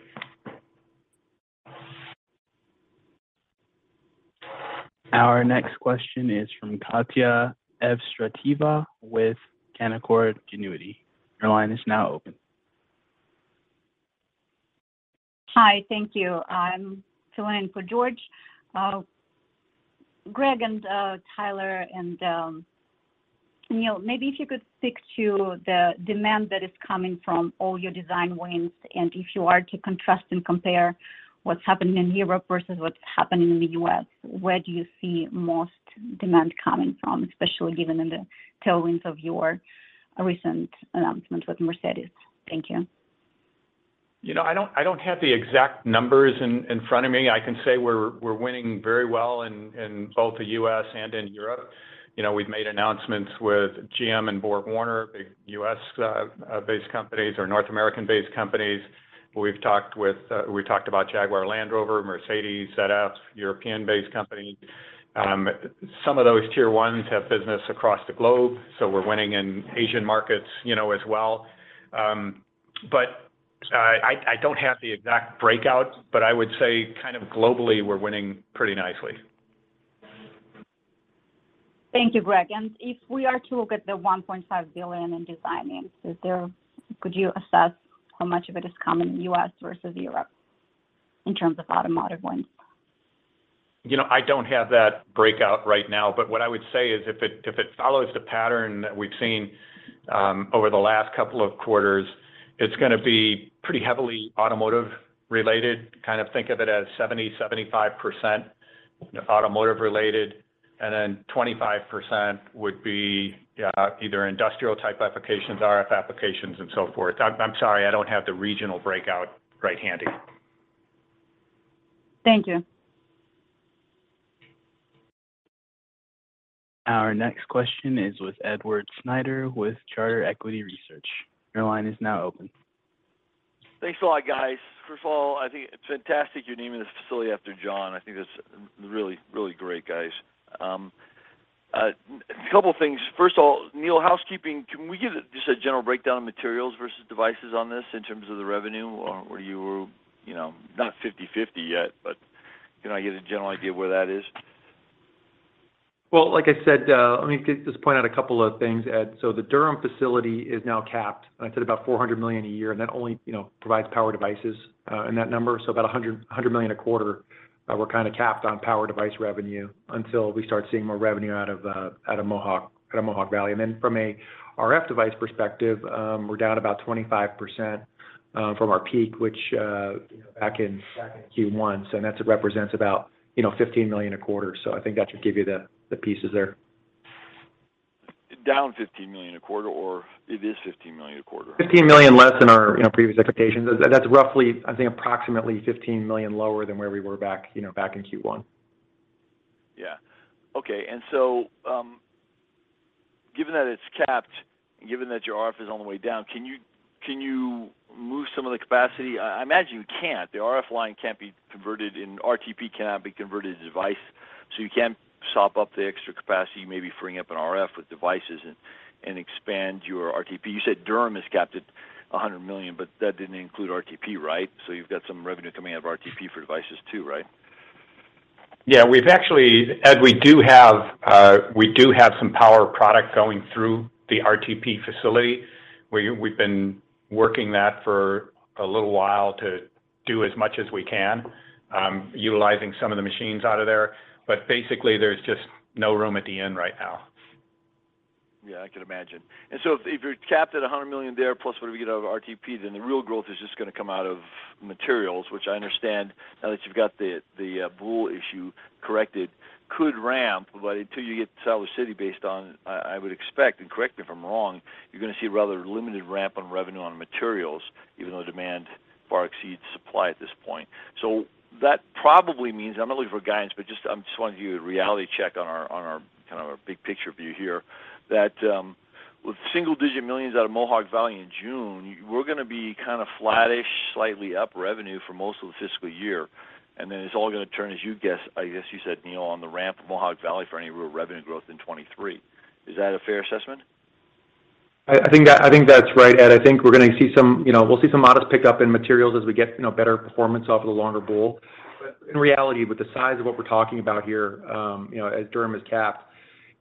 Our next question is from Katya Evstrateva with Canaccord Genuity. Your line is now open. Hi. Thank you. I'm filling in for George. Greg and Tyler Gronbach and Neill Reynolds, maybe if you could stick to the demand that is coming from all your design wins, and if you are to contrast and compare what's happening in Europe versus what's happening in the US, where do you see most demand coming from, especially given the tailwinds of your recent announcement with Mercedes? Thank you. You know, I don't, I don't have the exact numbers in front of me. I can say we're winning very well in both the U.S. and in Europe. You know, we've made announcements with GM and BorgWarner, big U.S. based companies or North American-based companies. We've talked with, we talked about Jaguar Land Rover, Mercedes, ZF, European-based company. Some of those tier ones have business across the globe, so we're winning in Asian markets, you know, as well. I don't have the exact breakout, but I would say kind of globally, we're winning pretty nicely. Thank you, Greg. If we are to look at the $1.5 billion in design wins, could you assess how much of it is coming U.S. versus Europe in terms of automotive wins? You know, I don't have that breakout right now, but what I would say is if it follows the pattern that we've seen over the last couple of quarters, it's going to be pretty heavily automotive-related. Kind of think of it as 70-75% automotive-related, and then 25% would be, yeah, either industrial type applications, RF applications, and so forth. I'm sorry, I don't have the regional breakout right handy. Thank you. Our next question is with Edward Snyder with Charter Equity Research. Your line is now open. Thanks a lot, guys. First of all, I think it's fantastic you're naming this facility after John. I think that's really, really great, guys. Couple things. First of all, Neil, housekeeping, can we get just a general breakdown of materials versus devices on this in terms of the revenue? You're, you know, not 50/50 yet, but can I get a general idea of where that is? Well, like I said, let me just point out a couple of things, Ed. The Durham facility is now capped, and I said about $400 million a year, and that only, you know, provides power devices in that number. About $100 million a quarter, we're kind of capped on power device revenue until we start seeing more revenue out of out of Mohawk, out of Mohawk Valley. From a RF device perspective, we're down about 25% from our peak, which back in Q1. It represents about, you know, $15 million a quarter. I think that should give you the pieces there. Down $15 million a quarter or it is $15 million a quarter? $15 million less than our, you know, previous expectations. That's roughly, I think approximately $15 million lower than where we were back, you know, back in Q1. Yeah. Okay. Given that it's capped, and given that your RF is on the way down, can you move some of the capacity? I imagine you can't. The RF line can't be converted and RTP cannot be converted to device, so you can't sop up the extra capacity, maybe freeing up an RF with devices and expand your RTP. You said Durham is capped at $100 million, but that didn't include RTP, right? You've got some revenue coming out of RTP for devices too, right? Yeah. We've actually, Ed, we do have, we do have some power product going through the RTP facility. We've been working that for a little while to do as much as we can, utilizing some of the machines out of there. Basically, there's just no room at the inn right now. Yeah, I can imagine. If you're capped at $100 million there, plus whatever you get out of RTP, then the real growth is just gonna come out of materials, which I understand now that you've got the boule issue corrected, could ramp. Until you get Siler City based on, I would expect, and correct me if I'm wrong, you're gonna see rather limited ramp on revenue on materials, even though demand far exceeds supply at this point. That probably means, I'm not looking for guidance, but I'm just wanting to do a reality check on our kind of our big picture view here, that with single digit millions out of Mohawk Valley in June, we're gonna be kind of flattish, slightly up revenue for most of the fiscal year. It's all gonna turn, as you guess, I guess you said, Neal, on the ramp of Mohawk Valley for any real revenue growth in 2023. Is that a fair assessment? I think that's right, Ed. I think we're gonna see some, you know, we'll see some modest pickup in materials as we get, you know, better performance off of the longer boule. In reality, with the size of what we're talking about here, you know, as Durham is capped,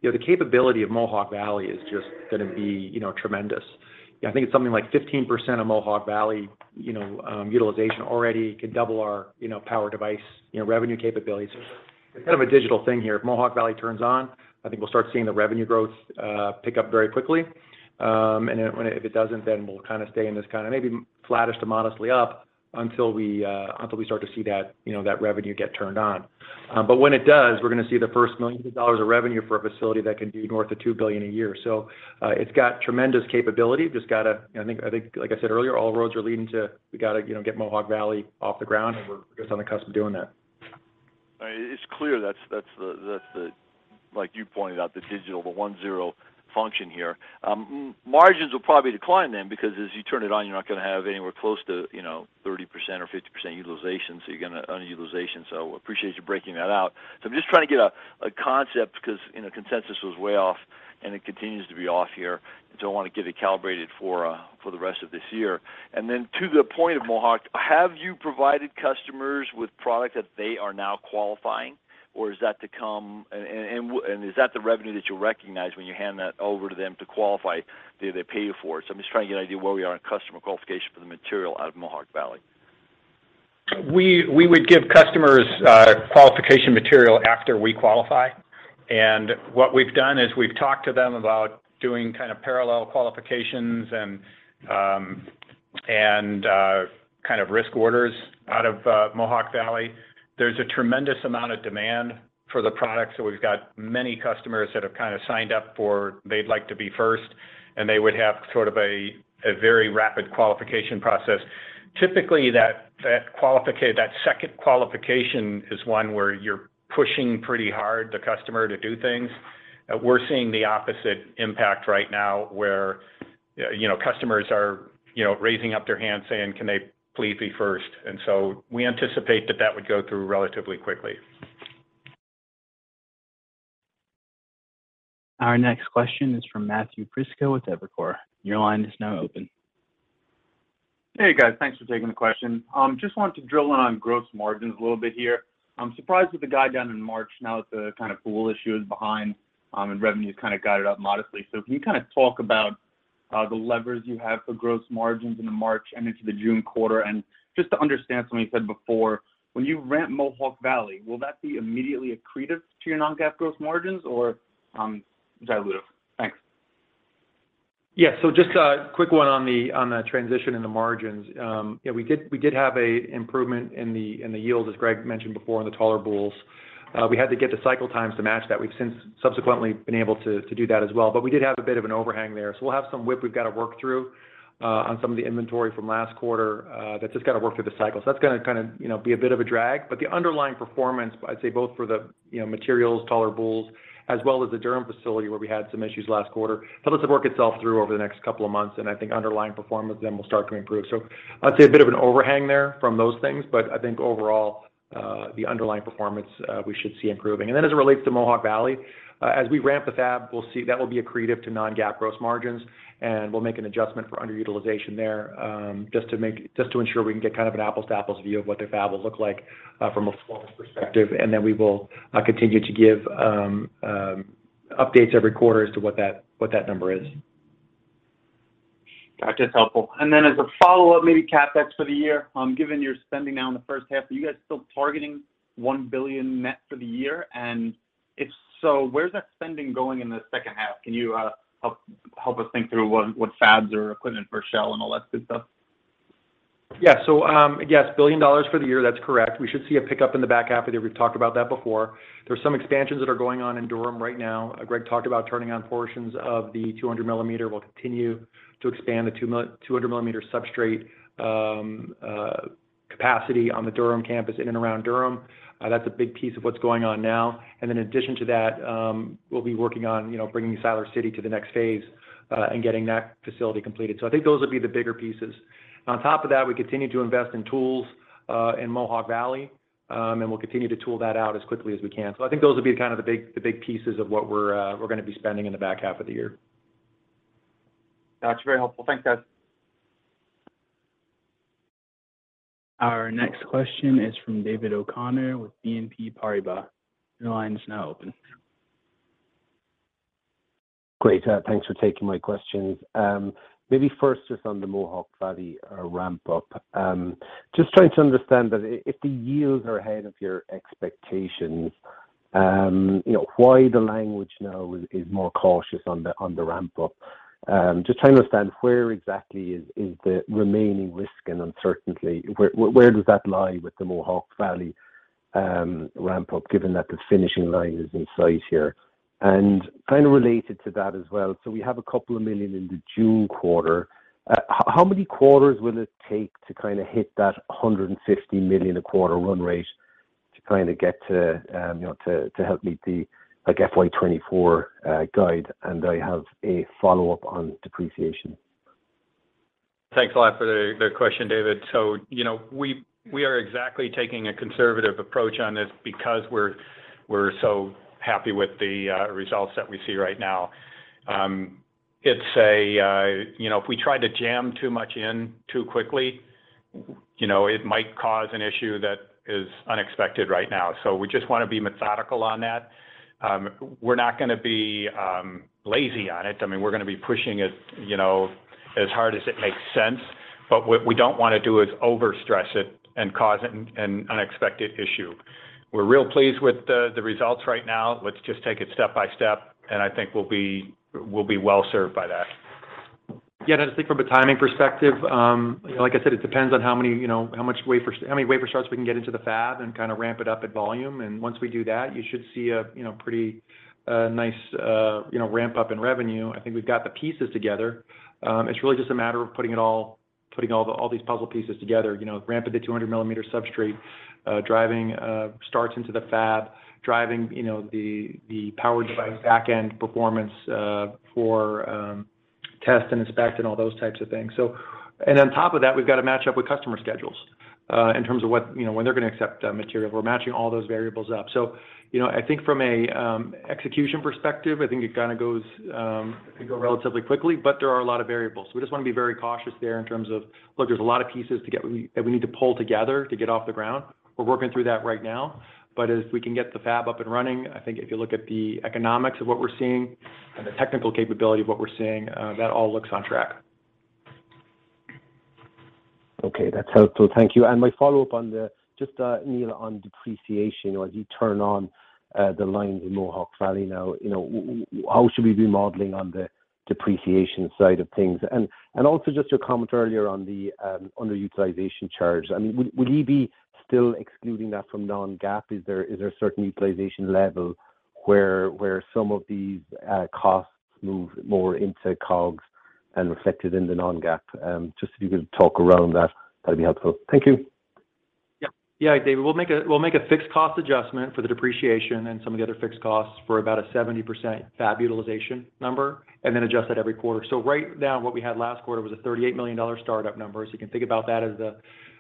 you know, the capability of Mohawk Valley is just gonna be, you know, tremendous. I think it's something like 15% of Mohawk Valley, you know, utilization already could double our, you know, power device, you know, revenue capabilities. It's kind of a digital thing here. If Mohawk Valley turns on, I think we'll start seeing the revenue growth pick up very quickly. If, if it doesn't, then we'll kind of stay in this kind of maybe flattish to modestly up until we, until we start to see that, you know, that revenue get turned on. When it does, we're gonna see the first millions of dollars of revenue for a facility that can do north of $2 billion a year. It's got tremendous capability. Just gotta, I think, like I said earlier, all roads are leading to, we gotta, you know, get Mohawk Valley off the ground, and we're just on the cusp of doing that. It's clear that's the, like you pointed out, the digital, the 1 0 function here. Margins will probably decline then because as you turn it on, you're not gonna have anywhere close to, you know, 30% or 50% utilization, so you're gonna underutilization. Appreciate you breaking that out. I'm just trying to get a concept because, you know, consensus was way off, and it continues to be off here, and so I wanna get it calibrated for the rest of this year. Then to the point of Mohawk, have you provided customers with product that they are now qualifying or is that to come? Is that the revenue that you'll recognize when you hand that over to them to qualify, do they pay you for it? I'm just trying to get an idea where we are on customer qualification for the material out of Mohawk Valley. We would give customers qualification material after we qualify. What we've done is we've talked to them about doing kind of parallel qualifications and kind of risk orders out of Mohawk Valley. There's a tremendous amount of demand for the product, we've got many customers that have kind of signed up for they'd like to be first, and they would have sort of a very rapid qualification process. Typically, that second qualification is one where you're pushing pretty hard the customer to do things. We're seeing the opposite impact right now, where, you know, customers are, you know, raising up their hand saying, can they please be first. We anticipate that that would go through relatively quickly. Our next question is from Matthew Prisco with Evercore. Your line is now open. Hey guys, thanks for taking the question. Just wanted to drill in on gross margins a little bit here. I'm surprised with the guide down in March now that the kind of boule issue is behind, and revenue's kind of got it up modestly. Can you kind of talk about the levers you have for gross margins into March and into the June quarter? Just to understand something you said before, when you ramp Mohawk Valley, will that be immediately accretive to your non-GAAP gross margins or dilutive? Thanks. Yeah. Just a quick one on the, on the transition in the margins. Yeah, we did have a improvement in the yield, as Gregg mentioned before, in the taller boules. We had to get the cycle times to match that. We've since subsequently been able to do that as well. We did have a bit of an overhang there. We'll have some WIP we've got to work through on some of the inventory from last quarter that's just got to work through the cycle. That's gonna kind of, you know, be a bit of a drag. The underlying performance, I'd say both for the, you know, materials, taller boules, as well as the Durham facility where we had some issues last quarter, that'll just work itself through over the next 2 months. I think underlying performance will start to improve. I'd say a bit of an overhang there from those things. I think overall, the underlying performance, we should see improving. As it relates to Mohawk Valley, as we ramp the fab, we'll see that will be accretive to non-GAAP gross margins. We'll make an adjustment for underutilization there, just to ensure we can get kind of an apples to apples view of what their fab will look like from a performance perspective. Then we will continue to give updates every quarter as to what that, what that number is. Gotcha. It's helpful. Then as a follow-up, maybe CapEx for the year, given your spending now in the first half, are you guys still targeting $1 billion net for the year? If so, where's that spending going in the second half? Can you help us think through what fabs or equipment for Siler City and all that good stuff? Yes, $1 billion for the year. That's correct. We should see a pickup in the back half of the year. We've talked about that before. There's some expansions that are going on in Durham right now. Gregg talked about turning on portions of the 200 millimeter. We'll continue to expand the 200 millimeter substrate capacity on the Durham campus in and around Durham. That's a big piece of what's going on now. In addition to that, we'll be working on, you know, bringing Siler City to the next phase and getting that facility completed. I think those will be the bigger pieces. On top of that, we continue to invest in tools in Mohawk Valley and we'll continue to tool that out as quickly as we can. I think those will be kind of the big pieces of what we're gonna be spending in the back half of the year. That's very helpful. Thanks, guys. Our next question is from David O'Connor with BNP Paribas. Your line is now open. Great. Thanks for taking my questions. Maybe first just on the Mohawk Valley ramp up. Just trying to understand that if the yields are ahead of your expectations, you know, why the language now is more cautious on the ramp up? Just trying to understand where exactly is the remaining risk and uncertainty. Where does that lie with the Mohawk Valley ramp up, given that the finishing line is in sight here? Kind of related to that as well, we have $2 million in the June quarter. How many quarters will it take to kind of hit that $150 million a quarter run rate to kind of get to, you know, to help meet the, like, FY 2024 guide? I have a follow-up on depreciation. Thanks a lot for the question, David. You know, we are exactly taking a conservative approach on this because we're so happy with the results that we see right now. It's a, you know, if we try to jam too much in too quickly, you know, it might cause an issue that is unexpected right now. We just wanna be methodical on that. We're not gonna be lazy on it. I mean, we're gonna be pushing it, you know, as hard as it makes sense. What we don't wanna do is overstress it and cause an unexpected issue. We're real pleased with the results right now. Let's just take it step by step, and I think we'll be well-served by that. Yeah, and I think from a timing perspective, you know, like I said, it depends on how many, you know, how many wafer starts we can get into the fab and kind of ramp it up at volume. Once we do that, you should see a, you know, pretty, nice, you know, ramp up in revenue. I think we've got the pieces together. It's really just a matter of putting all these puzzle pieces together. You know, ramp up the 200 millimeter substrate, driving, starts into the fab, driving, you know, the power device back-end performance, for test and inspect and all those types of things. On top of that, we've got to match up with customer schedules in terms of what, you know, when they're gonna accept material. We're matching all those variables up. You know, I think from a execution perspective, I think it kind of goes, it can go relatively quickly, but there are a lot of variables. We just wanna be very cautious there in terms of, look, there's a lot of pieces we need to pull together to get off the ground. We're working through that right now. As we can get the fab up and running, I think if you look at the economics of what we're seeing and the technical capability of what we're seeing, that all looks on track. Okay. That's helpful. Thank you. My follow-up on the just, Neil, on depreciation, you know, as you turn on the lines in Mohawk Valley now, you know, how should we be modeling on the depreciation side of things? Also just your comment earlier on the underutilization charge. I mean, would you be still excluding that from non-GAAP? Is there a certain utilization level where some of these costs move more into COGS and reflected in the non-GAAP? Just if you could talk around that'd be helpful. Thank you. David, we'll make a fixed cost adjustment for the depreciation and some of the other fixed costs for about a 70% fab utilization number, and then adjust that every quarter. Right now, what we had last quarter was a $38 million startup number. You can think about that as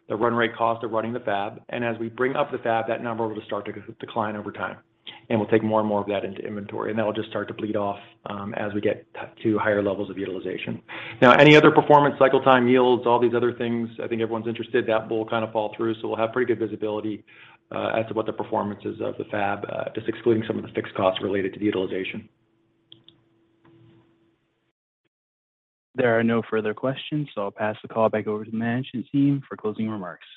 the run rate cost of running the fab. As we bring up the fab, that number will start to decline over time. We'll take more and more of that into inventory, and that'll just start to bleed off as we get to higher levels of utilization. Any other performance, cycle time yields, all these other things, I think everyone's interested, that will kind of fall through. We'll have pretty good visibility, as to what the performance is of the fab, just excluding some of the fixed costs related to the utilization. There are no further questions, so I'll pass the call back over to the management team for closing remarks.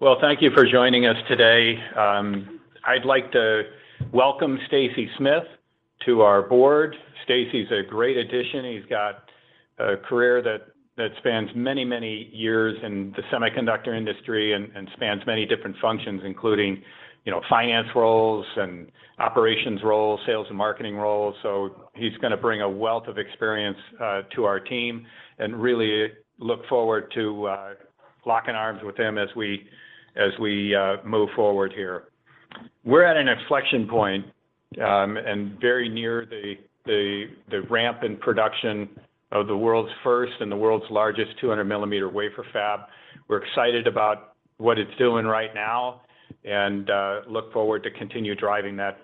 Well, thank you for joining us today. I'd like to welcome Stacy Smith to our board. Stacy's a great addition. He's got a career that spans many years in the semiconductor industry and spans many different functions, including, you know, finance roles and operations roles, sales and marketing roles. He's gonna bring a wealth of experience to our team. Really look forward to locking arms with him as we move forward here. We're at an inflection point. Very near the ramp in production of the world's first and the world's largest 200 millimeter wafer fab. We're excited about what it's doing right now. Look forward to continue driving that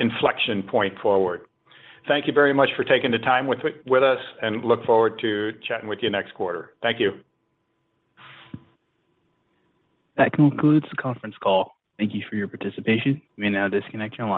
inflection point forward. Thank you very much for taking the time with us and look forward to chatting with you next quarter. Thank you. That concludes the conference call. Thank you for your participation. You may now disconnect your line.